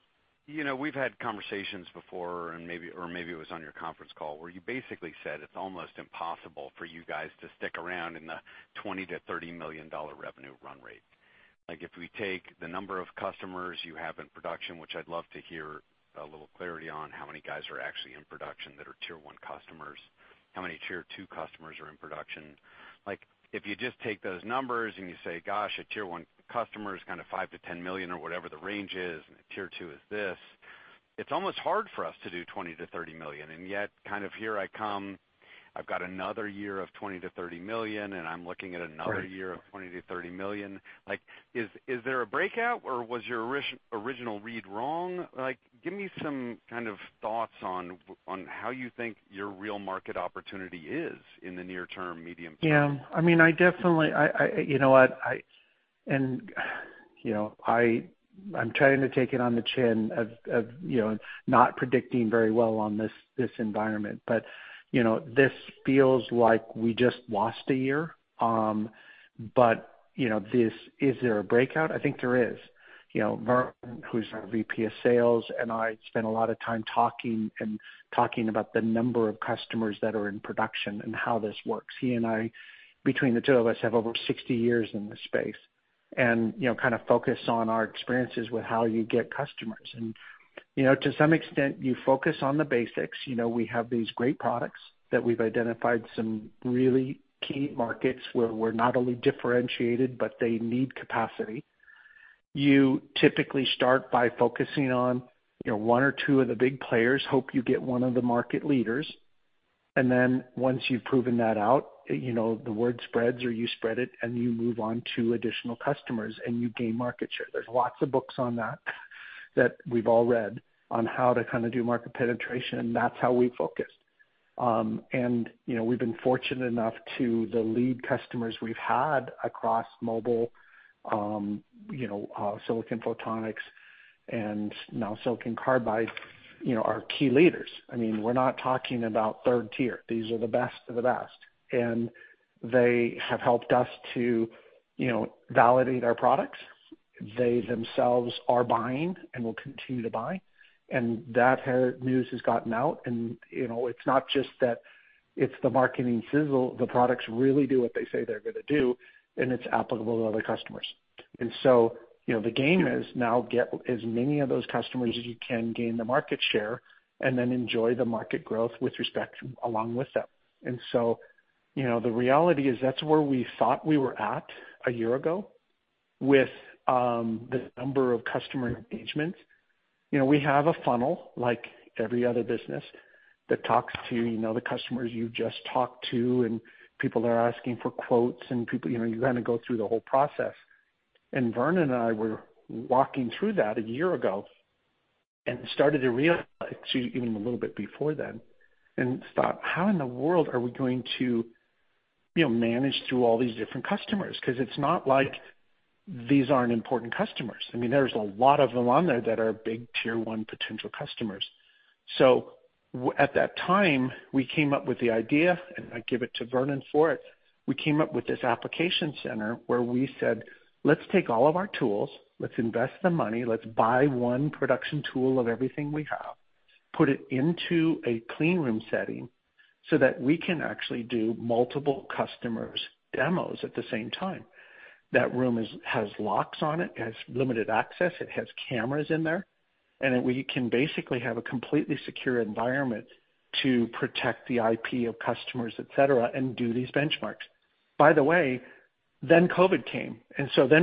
We've had conversations before, or maybe it was on your conference call, where you basically said it's almost impossible for you guys to stick around in the $20 million-$30 million revenue run rate. If we take the number of customers you have in production, which I'd love to hear a little clarity on how many guys are actually in production that are tier 1 customers, how many tier 2 customers are in production. If you just take those numbers and you say, gosh, a tier 1 customer is kind of $5 million-$10 million or whatever the range is, and tier 2 is this, it's almost hard for us to do $20 million-$30 million. Yet kind of here I come, I've got another year of $20 million-$30 million, and I'm looking at another year of $20 million-$30 million. Is there a breakout, or was your original read wrong? Give me some kind of thoughts on how you think your real market opportunity is in the near term, medium term. I'm trying to take it on the chin of not predicting very well on this environment. This feels like we just lost a year. Is there a breakout? I think there is. Vern, who's our VP of sales, and I spend a lot of time talking about the number of customers that are in production and how this works. He and I, between the two of us, have over 60 years in this space and kind of focus on our experiences with how you get customers. To some extent, you focus on the basics. We have these great products that we've identified some really key markets where we're not only differentiated, but they need capacity. You typically start by focusing on one or two of the big players, hope you get one of the market leaders. Once you've proven that out, the word spreads or you spread it, and you move on to additional customers, and you gain market share. There's lots of books on that we've all read on how to kind of do market penetration, and that's how we focused. We've been fortunate enough to the lead customers we've had across mobile, silicon photonics, and now silicon carbide are key leaders. We're not talking about third tier. These are the best of the best. They have helped us to validate our products. They themselves are buying and will continue to buy. That news has gotten out, and it's not just that it's the marketing sizzle. The products really do what they say they're going to do, and it's applicable to other customers. The game is now get as many of those customers as you can, gain the market share, and then enjoy the market growth with respect along with them. The reality is that's where we thought we were at a year ago with the number of customer engagements. We have a funnel, like every other business, that talks to the customers you just talked to, and people are asking for quotes and you kind of go through the whole process. Vernon and I were walking through that a year ago and started to realize, actually even a little bit before then, and thought, "How in the world are we going to manage through all these different customers?" Because it's not like these aren't important customers. There's a lot of them on there that are big tier 1 potential customers. At that time, we came up with the idea, and I give it to Vernon for it. We came up with this application center where we said, "Let's take all of our tools. Let's invest the money. Let's buy one production tool of everything we have, put it into a clean room setting so that we can actually do multiple customers' demos at the same time." That room has locks on it has limited access, it has cameras in there, and we can basically have a completely secure environment to protect the IP of customers, et cetera, and do these benchmarks. By the way, COVID came,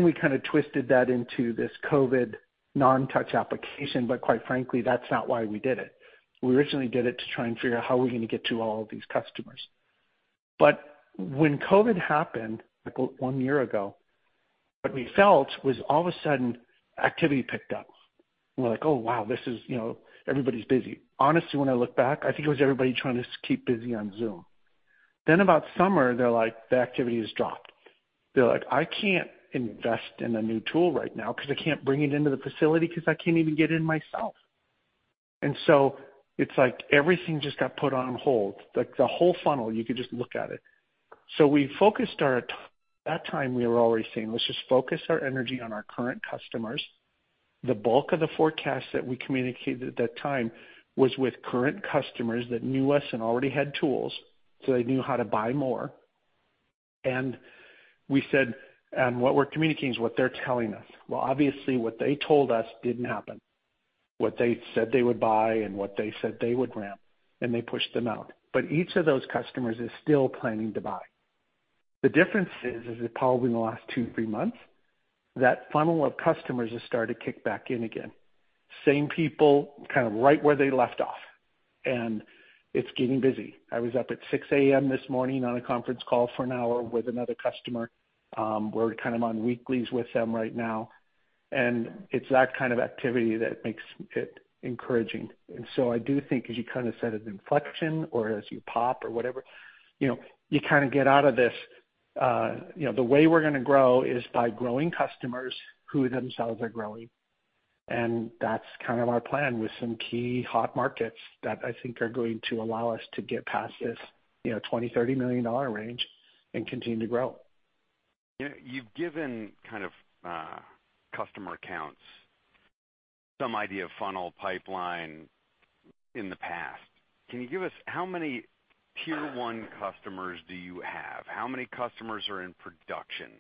we kind of twisted that into this COVID non-touch application. Quite frankly, that's not why we did it. We originally did it to try and figure out how we're going to get to all of these customers. When COVID happened, one year ago, what we felt was all of a sudden, activity picked up, and we're like, "Oh, wow. Everybody's busy." Honestly, when I look back, I think it was everybody trying to keep busy on Zoom. About summer, the activity has dropped. They're like, "I can't invest in a new tool right now because I can't bring it into the facility because I can't even get in myself." It's like everything just got put on hold, like the whole funnel, you could just look at it. At that time, we were already saying, "Let's just focus our energy on our current customers." The bulk of the forecast that we communicated at that time was with current customers that knew us and already had tools, so they knew how to buy more. We said, "And what we're communicating is what they're telling us." Well, obviously, what they told us didn't happen, what they said they would buy and what they said they would ramp, and they pushed them out. Each of those customers is still planning to buy. The difference is, probably in the last two, three months, that funnel of customers has started to kick back in again. Same people, kind of right where they left off, and it's getting busy. I was up at 6:00 A.M. this morning on a conference call for an hour with another customer. We're kind of on weeklies with them right now, and it's that kind of activity that makes it encouraging. I do think, as you kind of said, an inflection or as you pop or whatever, you kind of get out of this. The way we're going to grow is by growing customers who themselves are growing. That's kind of our plan with some key hot markets that I think are going to allow us to get past this $20 million-$30 million range and continue to grow. You've given kind of customer counts, some idea of funnel pipeline in the past. Can you give us how many tier 1 customers do you have? How many customers are in production?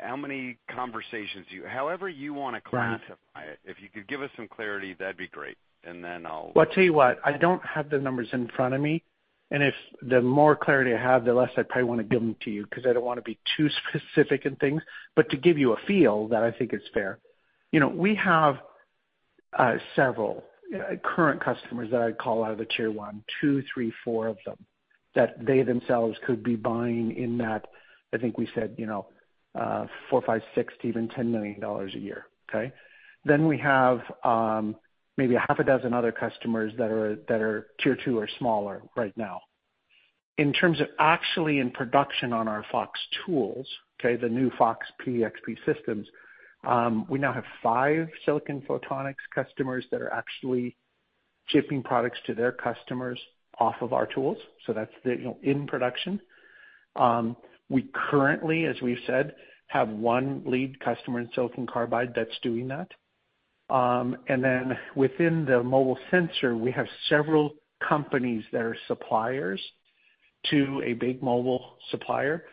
How many conversations however you want to classify it? If you could give us some clarity, that'd be great. Well, I tell you what, I don't have the numbers in front of me, and the more clarity I have, the less I probably want to give them to you, because I don't want to be too specific in things. To give you a feel that I think is fair. We have several current customers that I'd call out of the tier 1, 2, 3, 4 of them that they themselves could be buying in that, I think we said, four, five, six to even $10 million a year. Okay? We have maybe a half a dozen other customers that are tier 2 or smaller right now. In terms of actually in production on our FOX tools. Okay? The new FOX-P, FOX-XP systems. We now have five silicon photonics customers that are actually shipping products to their customers off of our tools. That's in production. We currently, as we've said, have one lead customer in silicon carbide that's doing that. Within the mobile sensor, we have several companies that are suppliers to a big mobile supplier.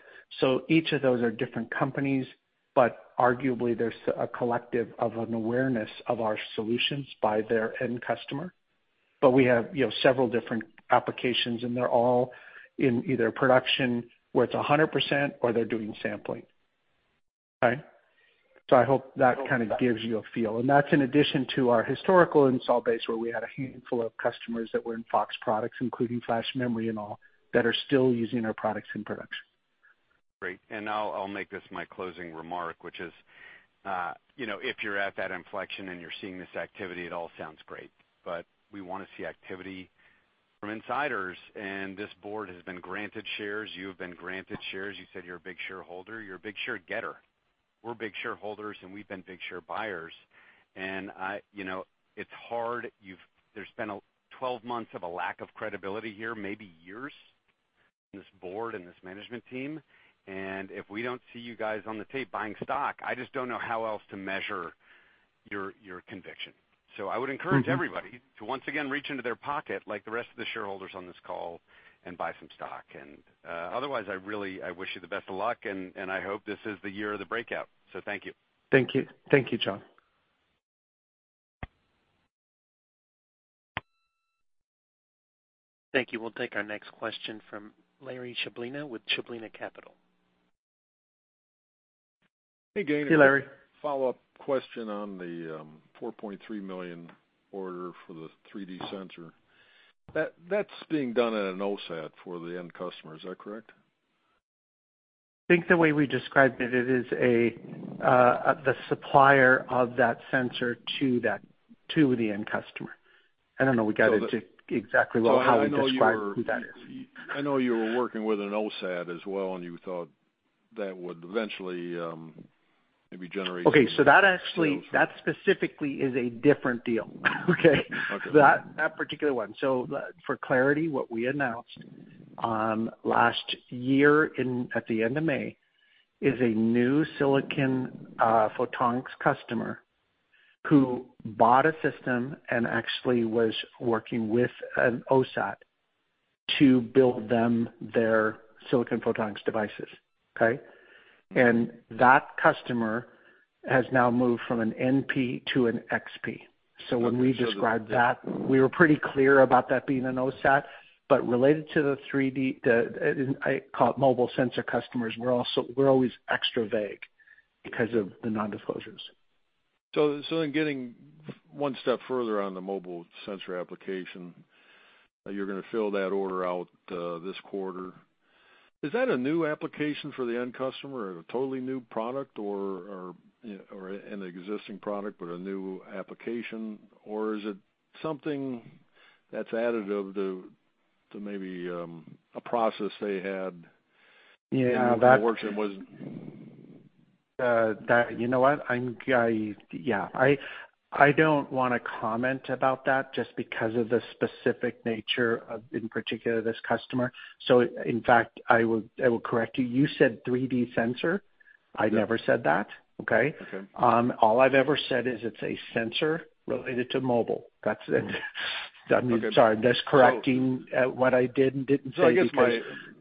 Each of those are different companies, but arguably, there's a collective of an awareness of our solutions by their end customer. We have several different applications, and they're all in either production, where it's 100%, or they're doing sampling. Okay? I hope that kind of gives you a feel. That's in addition to our historical install base, where we had a handful of customers that were in FOX products, including flash memory and all, that are still using our products in production. Great. I'll make this my closing remark, which is, if you're at that inflection and you're seeing this activity, it all sounds great. We want to see activity from insiders, and this board has been granted shares. You have been granted shares. You said you're a big shareholder. You're a big share getter. We're big shareholders, and we've been big share buyers. It's hard. There's been 12 months of a lack of credibility here, maybe years, in this board and this management team, if we don't see you guys on the tape buying stock, I just don't know how else to measure your conviction. I would encourage everybody to once again reach into their pocket like the rest of the shareholders on this call and buy some stock. Otherwise, I really wish you the best of luck, and I hope this is the year of the breakout. Thank you. Thank you. Thank you, John. Thank you. We'll take our next question from Larry Chlebina with Chlebina Capital. Hey, Larry. Follow-up question on the $4.3 million order for the 3D sensor. That's being done at an OSAT for the end customer. Is that correct? I think the way we described it is the supplier of that sensor to the end customer. I don't know, we got into exactly how we describe who that is. I know you were working with an OSAT as well, and you thought that would eventually maybe generate. Okay. That specifically is a different deal. Okay? Okay. That particular one. For clarity, what we announced last year at the end of May is a new silicon photonics customer who bought a system and actually was working with an OSAT to build them their silicon photonics devices. Okay? That customer has now moved from an NP to an XP. When we described that, we were pretty clear about that being an OSAT, but related to the 3D, I call it mobile sensor customers, we're always extra vague because of the non-disclosures. In getting one step further on the mobile sensor application, you're going to fill that order out this quarter. Is that a new application for the end customer or a totally new product, or an existing product but a new application? Or is it something that's additive to maybe a process they had? Yeah. You know what? I don't want to comment about that just because of the specific nature of, in particular, this customer. In fact, I will correct you. You said 3D sensor. I never said that. Okay? Okay. All I've ever said is it's a sensor related to mobile. That's it. Okay. Sorry, just correcting what I did and didn't say.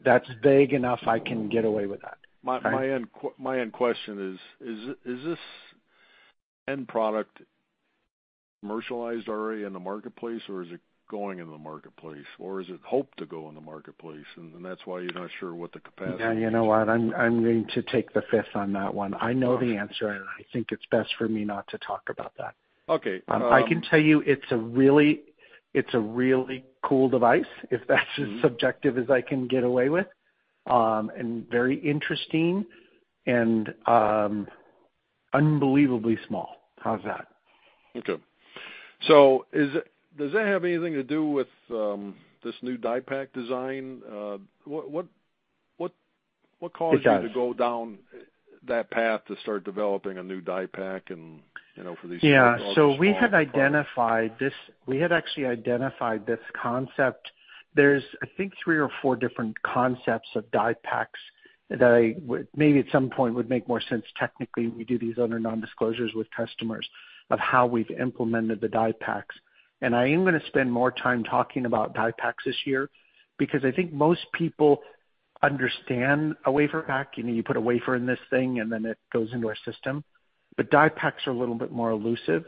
That's vague enough, I can get away with that. My end question is this end product commercialized already in the marketplace, or is it going in the marketplace, or is it hoped to go in the marketplace, and that's why you're not sure what the capacity is? You know what, I'm going to take the Fifth on that one. I know the answer, and I think it's best for me not to talk about that. Okay. I can tell you it's a really cool device, if that's as subjective as I can get away with. Very interesting and unbelievably small. How's that? Okay. Does that have anything to do with this new DiePak design to go down that path to start developing a new DiePak and for these very small products? Yeah. We had actually identified this concept. There's, I think, three or four different concepts of DiePaks that maybe at some point would make more sense technically, we do these under non-disclosures with customers, of how we've implemented the DiePaks. I am going to spend more time talking about DiePaks this year because I think most people understand a WaferPak. You put a wafer in this thing, and then it goes into a system. DiePaks are a little bit more elusive.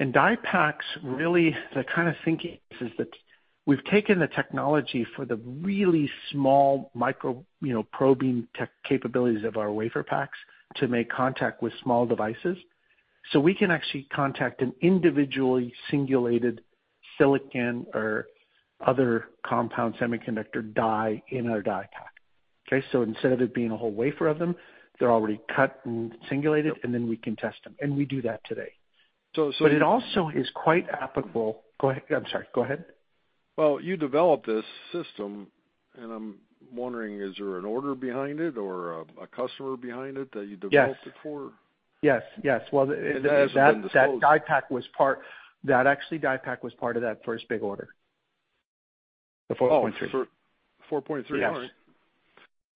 DiePaks, really, the kind of thinking is that we've taken the technology for the really small micro probing tech capabilities of our WaferPaks to make contact with small devices. We can actually contact an individually singulated silicon or other compound semiconductor die in our DiePak. Okay? Instead of it being a whole wafer of them, they're already cut and singulated, and then we can test them. We do that today. It also is quite applicable. Go ahead. I'm sorry, go ahead. Well, you developed this system, and I'm wondering, is there an order behind it or a customer behind it that you developed it for? Yes. It hasn't been disclosed. That actually DiePak was part of that first big order, the $4.3. Oh, $4.3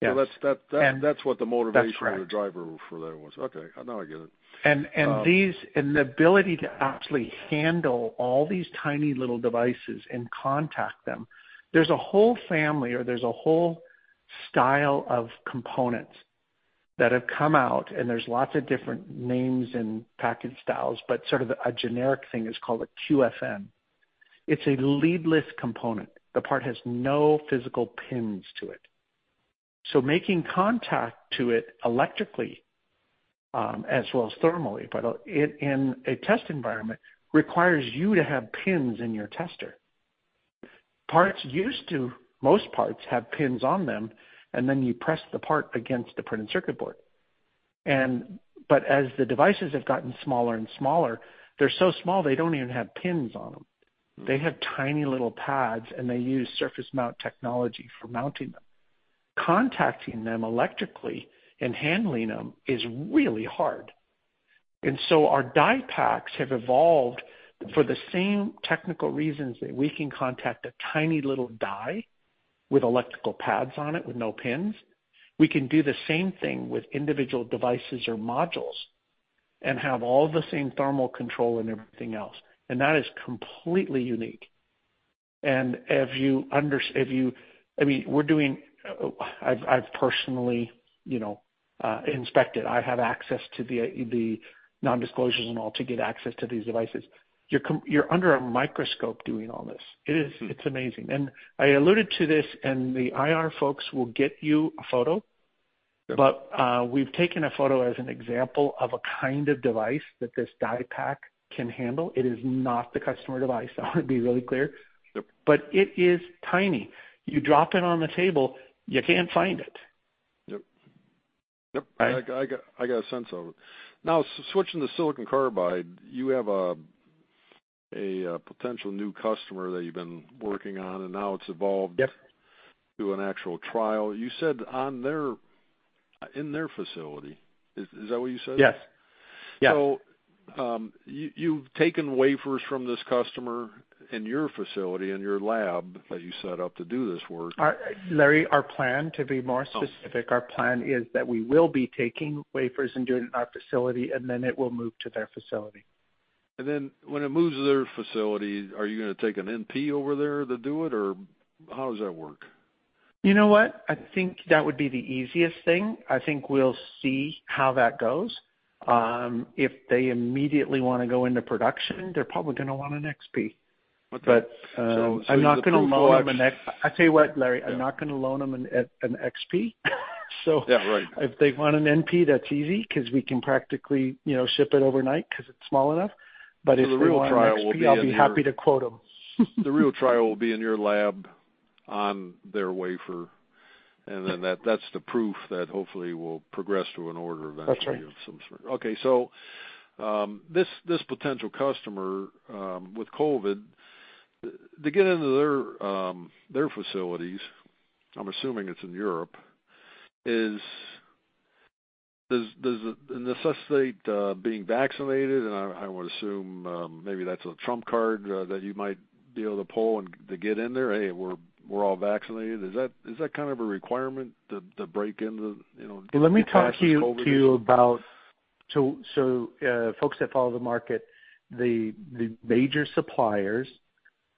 order. Yes. That's what the motivation. That's correct. The driver for that was, okay, now I get it. The ability to actually handle all these tiny little devices and contact them, there's a whole family or there's a whole style of components that have come out, and there's lots of different names and package styles, but sort of a generic thing is called a QFN. It's a lead-less component. The part has no physical pins to it. Making contact to it electrically, as well as thermally, but in a test environment, requires you to have pins in your tester. Parts used to, most parts have pins on them, and then you press the part against the printed circuit board. As the devices have gotten smaller and smaller, they're so small they don't even have pins on them. They have tiny little pads, and they use surface mount technology for mounting them. Contacting them electrically and handling them is really hard. Our DiePaks have evolved for the same technical reasons that we can contact a tiny little die with electrical pads on it with no pins. We can do the same thing with individual devices or modules and have all the same thermal control and everything else. That is completely unique. I mean, I've personally inspected. I have access to the non-disclosures and all to get access to these devices. You're under a microscope doing all this. It's amazing. I alluded to this, and the IR folks will get you a photo. We've taken a photo as an example of a kind of device that this DiePak can handle. It is not the customer device, I want to be really clear. Yep. It is tiny. You drop it on the table, you can't find it. Yep. I got a sense of it. Now, switching to silicon carbide, you have a potential new customer that you've been working on, and now it's evolved to an actual trial, you said in their facility. Is that what you said? Yes. You've taken wafers from this customer in your facility, in your lab that you set up to do this work. Larry, to be more specific, our plan is that we will be taking wafers and doing it in our facility, and then it will move to their facility. When it moves to their facility, are you going to take an NP over there to do it, or how does that work? You know what? I think that would be the easiest thing. I think we'll see how that goes. If they immediately want to go into production, they're probably going to want an XP. Okay. I'm not going to loan them an X I tell you what, Larry. I'm not going to loan them an XP. Yeah, right. If they want an NP, that's easy because we can practically ship it overnight because it's small enough. If they want an XP, I'll be happy to quote them. The real trial will be in your lab on their wafer, and then that's the proof that hopefully will progress to an order eventually of some sort. Okay, this potential customer, with COVID, to get into their facilities, I'm assuming it's in Europe, does it necessitate being vaccinated? I would assume maybe that's a trump card that you might be able to pull and to get in there, "Hey, we're all vaccinated." Is that kind of a requirement to break into, get past this COVID issue? Folks that follow the market, the major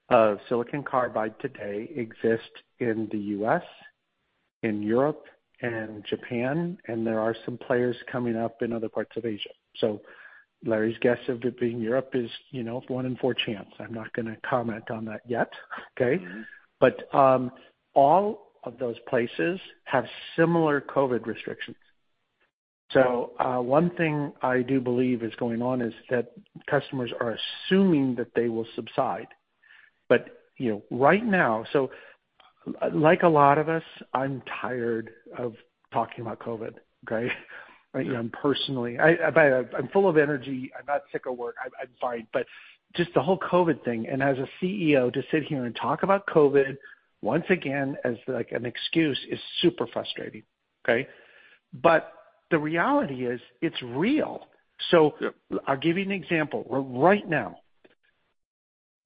suppliers of silicon carbide today exist in the U.S., in Europe, and Japan, and there are some players coming up in other parts of Asia. Larry's guess of it being Europe is one in four chance. I'm not going to comment on that yet, okay. All of those places have similar COVID restrictions. One thing I do believe is going on is that customers are assuming that they will subside. Right now, like a lot of us, I'm tired of talking about COVID, okay? Personally. I'm full of energy. I'm not sick of work. I'm fine, but just the whole COVID thing, and as a CEO, to sit here and talk about COVID once again as an excuse is super frustrating, okay? The reality is, it's real. Yep. I'll give you an example. Right now,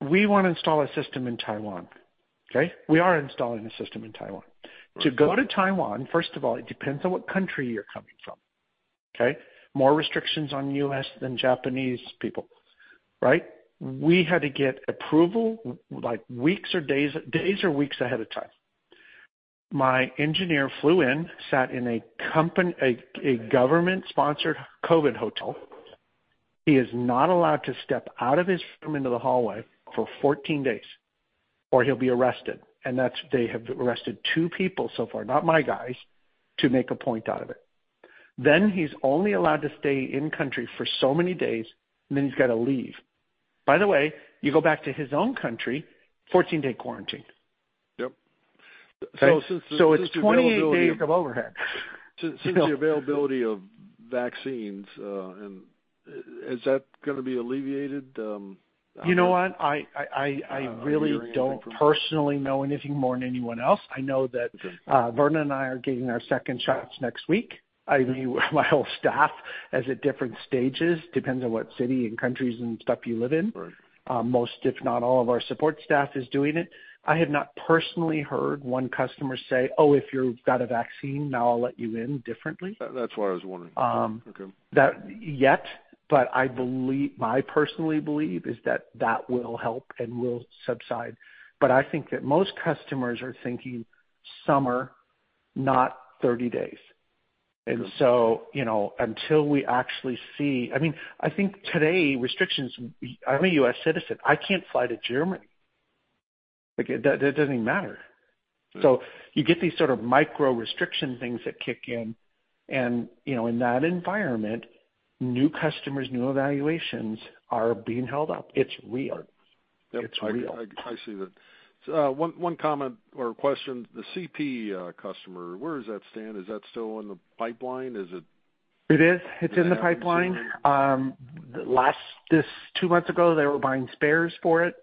we want to install a system in Taiwan, okay. We are installing a system in Taiwan. Right. To go to Taiwan, first of all, it depends on what country you're coming from, okay? More restrictions on U.S. than Japanese people, right? We had to get approval days or weeks ahead of time. My engineer flew in, sat in a government-sponsored COVID hotel. He is not allowed to step out of his room into the hallway for 14 days, or he'll be arrested. They have arrested two people so far, not my guys, to make a point out of it. He's only allowed to stay in country for so many days, and then he's got to leave. By the way, you go back to his own country, 14-day quarantine. Yep. Okay? It's 28 days of overhead. Since the availability of vaccines, is that going to be alleviated? You know what? Are you hearing anything from? I really don't personally know anything more than anyone else. I know that Vernon and I are getting our second shots next week. My whole staff is at different stages, depends on what city and countries and stuff you live in. Right. Most, if not all of our support staff is doing it. I have not personally heard one customer say, "Oh, if you've got a vaccine, now I'll let you in differently. That's what I was wondering. Okay. I personally believe is that that will help and will subside. I think that most customers are thinking summer, not 30 days. I think today, restrictions, I'm a U.S. citizen, I can't fly to Germany. That doesn't even matter. You get these sort of micro-restriction things that kick in and, in that environment, new customers, new evaluations are being held up. It's real. Yep. It's real. I see that. One comment or question, the CP customer, where does that stand? Is that still in the pipeline? It is. It's in the pipeline. Two months ago, they were buying spares for it.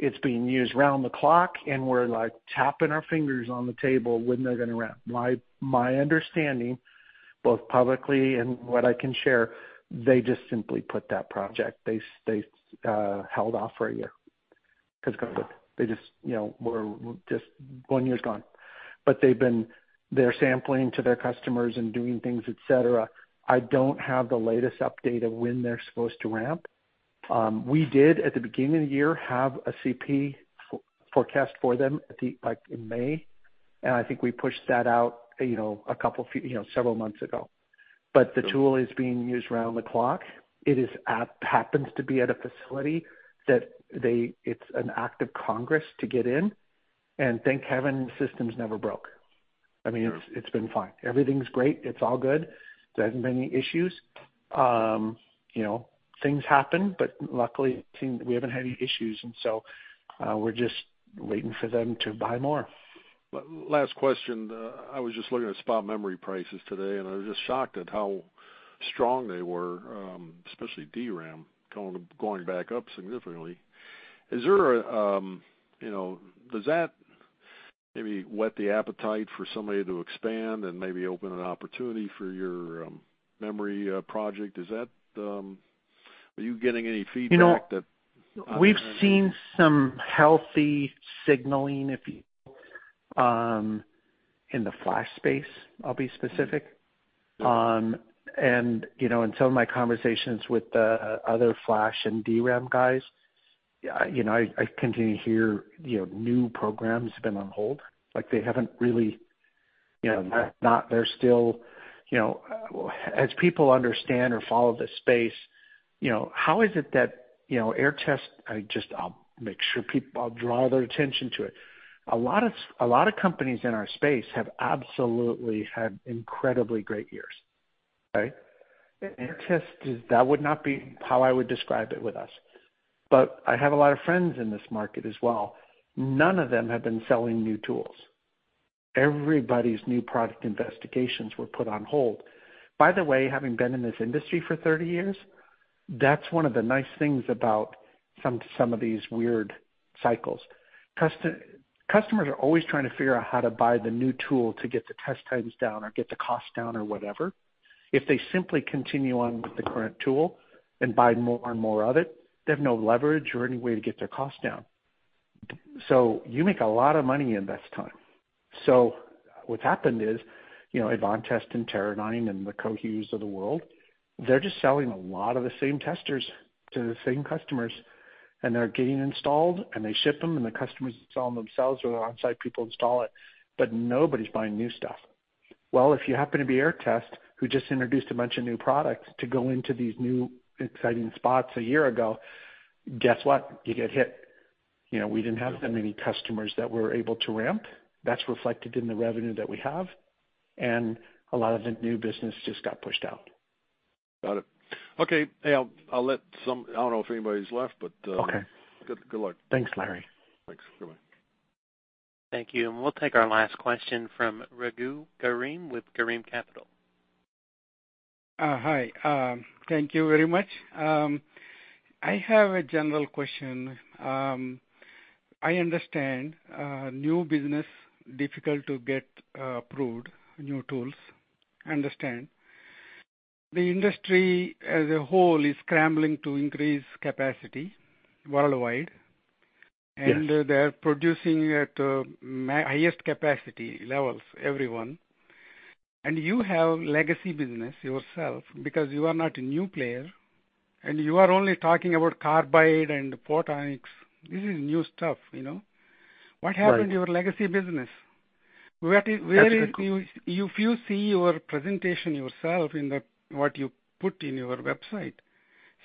It's being used round the clock, and we're tapping our fingers on the table, when they're going to ramp. My understanding, both publicly and what I can share, they just simply put that project, they held off for a year because of COVID. One year's gone. They're sampling to their customers and doing things, et cetera. I don't have the latest update of when they're supposed to ramp. We did, at the beginning of the year, have a CP forecast for them, in May, and I think we pushed that out several months ago. The tool is being used around the clock. It happens to be at a facility that it's an act of Congress to get in, and thank heaven, the system's never broke. Sure. It's been fine. Everything's great. It's all good. There hasn't been any issues. Things happen, but luckily, we haven't had any issues, and so we're just waiting for them to buy more. Last question. I was just looking at spot memory prices today, and I was just shocked at how strong they were, especially DRAM, going back up significantly. Does that maybe whet the appetite for somebody to expand and maybe open an opportunity for your memory project? Are you getting any feedback that? We've seen some healthy signaling, if you will, in the flash space, I'll be specific. Yeah. Some of my conversations with the other flash and DRAM guys, I continue to hear new programs have been on hold. As people understand or follow the space, how is it that Aehr Test, I'll draw their attention to it. A lot of companies in our space have absolutely had incredibly great years, right? Aehr Test, that would not be how I would describe it with us, but I have a lot of friends in this market as well. None of them have been selling new tools. Everybody's new product investigations were put on hold. By the way, having been in this industry for 30 years, that's one of the nice things about some of these weird cycles. Customers are always trying to figure out how to buy the new tool to get the test times down or get the cost down or whatever. If they simply continue on with the current tool and buy more and more of it, they have no leverage or any way to get their cost down. You make a lot of money in this time. What's happened is, Advantest and Teradyne and the Cohus of the world, they're just selling a lot of the same testers to the same customers, and they're getting installed, and they ship them, and the customers install them themselves, or their on-site people install it, but nobody's buying new stuff. Well, if you happen to be Aehr Test, who just introduced a bunch of new products to go into these new exciting spots a year ago, guess what? You get hit. We didn't have that many customers that we were able to ramp. That's reflected in the revenue that we have, and a lot of the new business just got pushed out. Got it. Okay. I don't know if anybody's left, good luck. Thanks, Larry. Thanks. Goodbye. Thank you. We'll take our last question from Raghu Garim with Garima Capital. Hi. Thank you very much. I have a general question. I understand new business, difficult to get approved, new tools. Understand. The industry as a whole is scrambling to increase capacity worldwide. Yes. They're producing at highest capacity levels, everyone. You have legacy business yourself because you are not a new player, and you are only talking about carbide and photonics. This is new stuff. Right. What happened to your legacy business? If you see your presentation yourself in what you put in your website,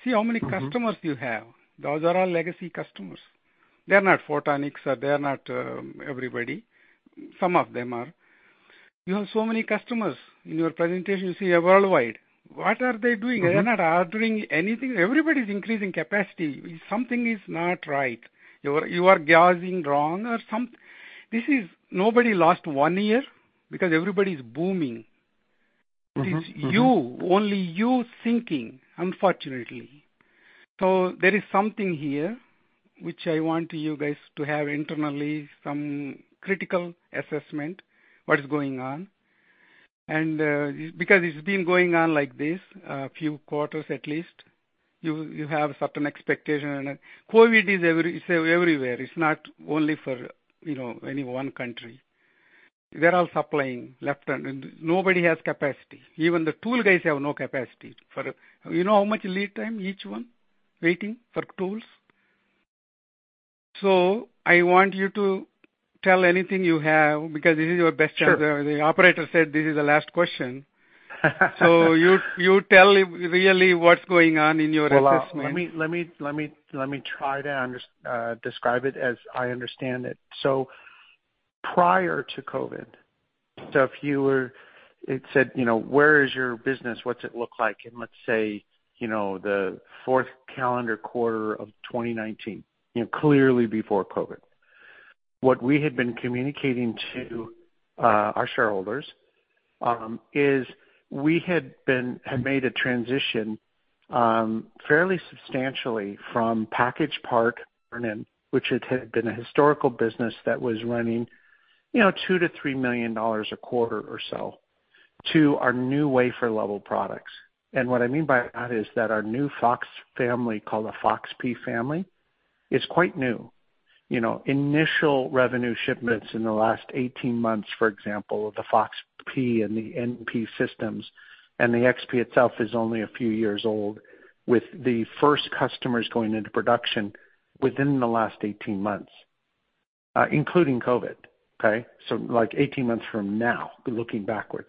see how many customers you have. Those are all legacy customers. They're not photonics. They're not everybody. Some of them are. You have so many customers. In your presentation, you see worldwide. What are they doing? They're not ordering anything. Everybody's increasing capacity. Something is not right. You are gauging wrong or some Nobody lost one year because everybody's booming. It is you, only you, sinking, unfortunately. There is something here, which I want you guys to have internally some critical assessment, what is going on? Because it's been going on like this a few quarters at least, you have certain expectation. COVID is everywhere. It's not only for any one country. They're all supplying. Nobody has capacity. Even the tool guys have no capacity. You know how much lead time each one, waiting for tools? I want you to tell anything you have, because this is your best chance. Sure. The operator said this is the last question. You tell really what's going on in your assessment. Let me try to describe it as I understand it. Prior to COVID, if you had said, "Where is your business? What's it look like?" In, let's say, the fourth calendar quarter of 2019, clearly before COVID. What we had been communicating to our shareholders is we had made a transition fairly substantially from packaged part burn-in, which had been a historical business that was running $2 million to $3 million a quarter or so, to our new wafer level products. What I mean by that is that our new FOX family, called the FOX-P family, is quite new. Initial revenue shipments in the last 18 months, for example, of the FOX-P and the NP systems, and the XP itself is only a few years old, with the first customers going into production within the last 18 months. Including COVID, okay? Like 18 months from now, looking backwards.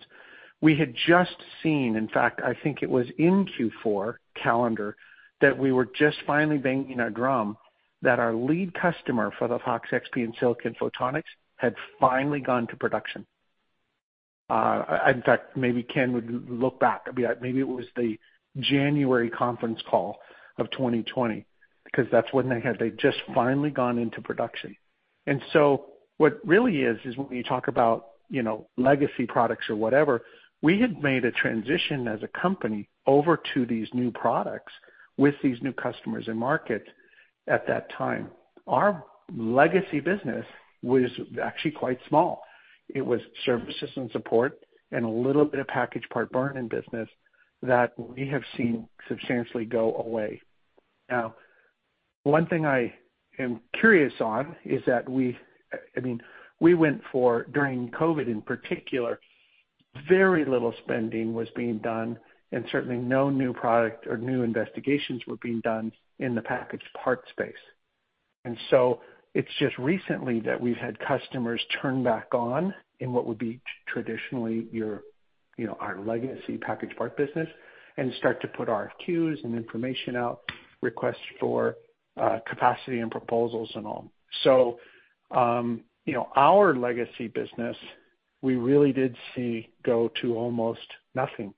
We had just seen, in fact, I think it was in Q4 calendar, that we were just finally banging our drum, that our lead customer for the FOX-XP and silicon photonics had finally gone to production. In fact, maybe Ken would look back. Maybe it was the January conference call of 2020, because that's when they had just finally gone into production. What really is when you talk about legacy products or whatever, we had made a transition as a company over to these new products with these new customers and markets at that time. Our legacy business was actually quite small. It was services and support and a little bit of packaged part burn-in business that we have seen substantially go away. One thing I am curious on is that we went for, during COVID in particular, very little spending was being done, and certainly no new product or new investigations were being done in the packaged part space. It's just recently that we've had customers turn back on in what would be traditionally our legacy packaged part business and start to put RFQs and information out, requests for capacity and proposals and all. Our legacy business, we really did see go to almost nothing.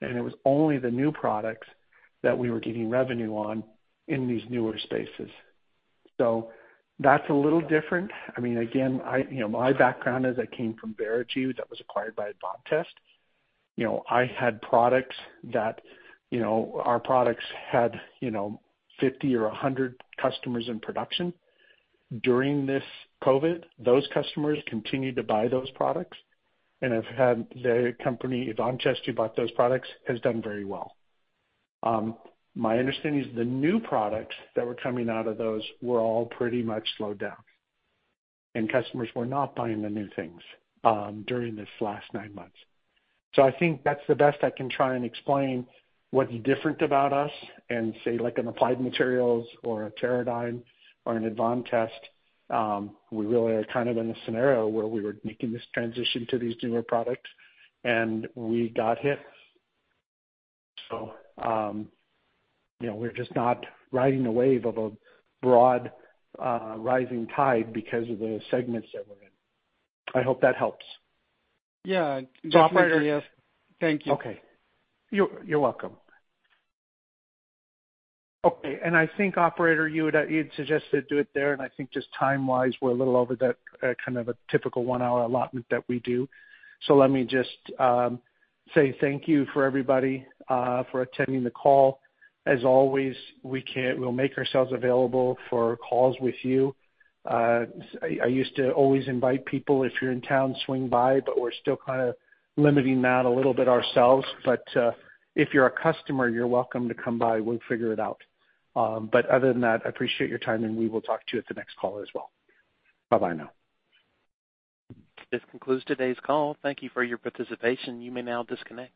It was only the new products that we were getting revenue on in these newer spaces. That's a little different. Again, my background is I came from Verigy that was acquired by Advantest. Our products had 50 or 100 customers in production. During this COVID, those customers continued to buy those products, and the company, Advantest, who bought those products, has done very well. My understanding is the new products that were coming out of those were all pretty much slowed down, and customers were not buying the new things during this last nine months. I think that's the best I can try and explain what's different about us and say, like an Applied Materials or a Teradyne or an Advantest. We really are kind of in a scenario where we were making this transition to these newer products, and we got hit. We're just not riding a wave of a broad rising tide because of the segments that we're in. I hope that helps. Yeah. Good point, Gayn. Thank you. Okay. You're welcome. Okay, I think, operator, you had suggested do it there, and I think just time-wise, we're a little over that kind of a typical one-hour allotment that we do. Let me just say thank you for everybody for attending the call. As always, we'll make ourselves available for calls with you. I used to always invite people, if you're in town, swing by, but we're still kind of limiting that a little bit ourselves. If you're a customer, you're welcome to come by. We'll figure it out. Other than that, I appreciate your time, and we will talk to you at the next call as well. Bye bye now. This concludes today's call. Thank you for your participation. You may now disconnect.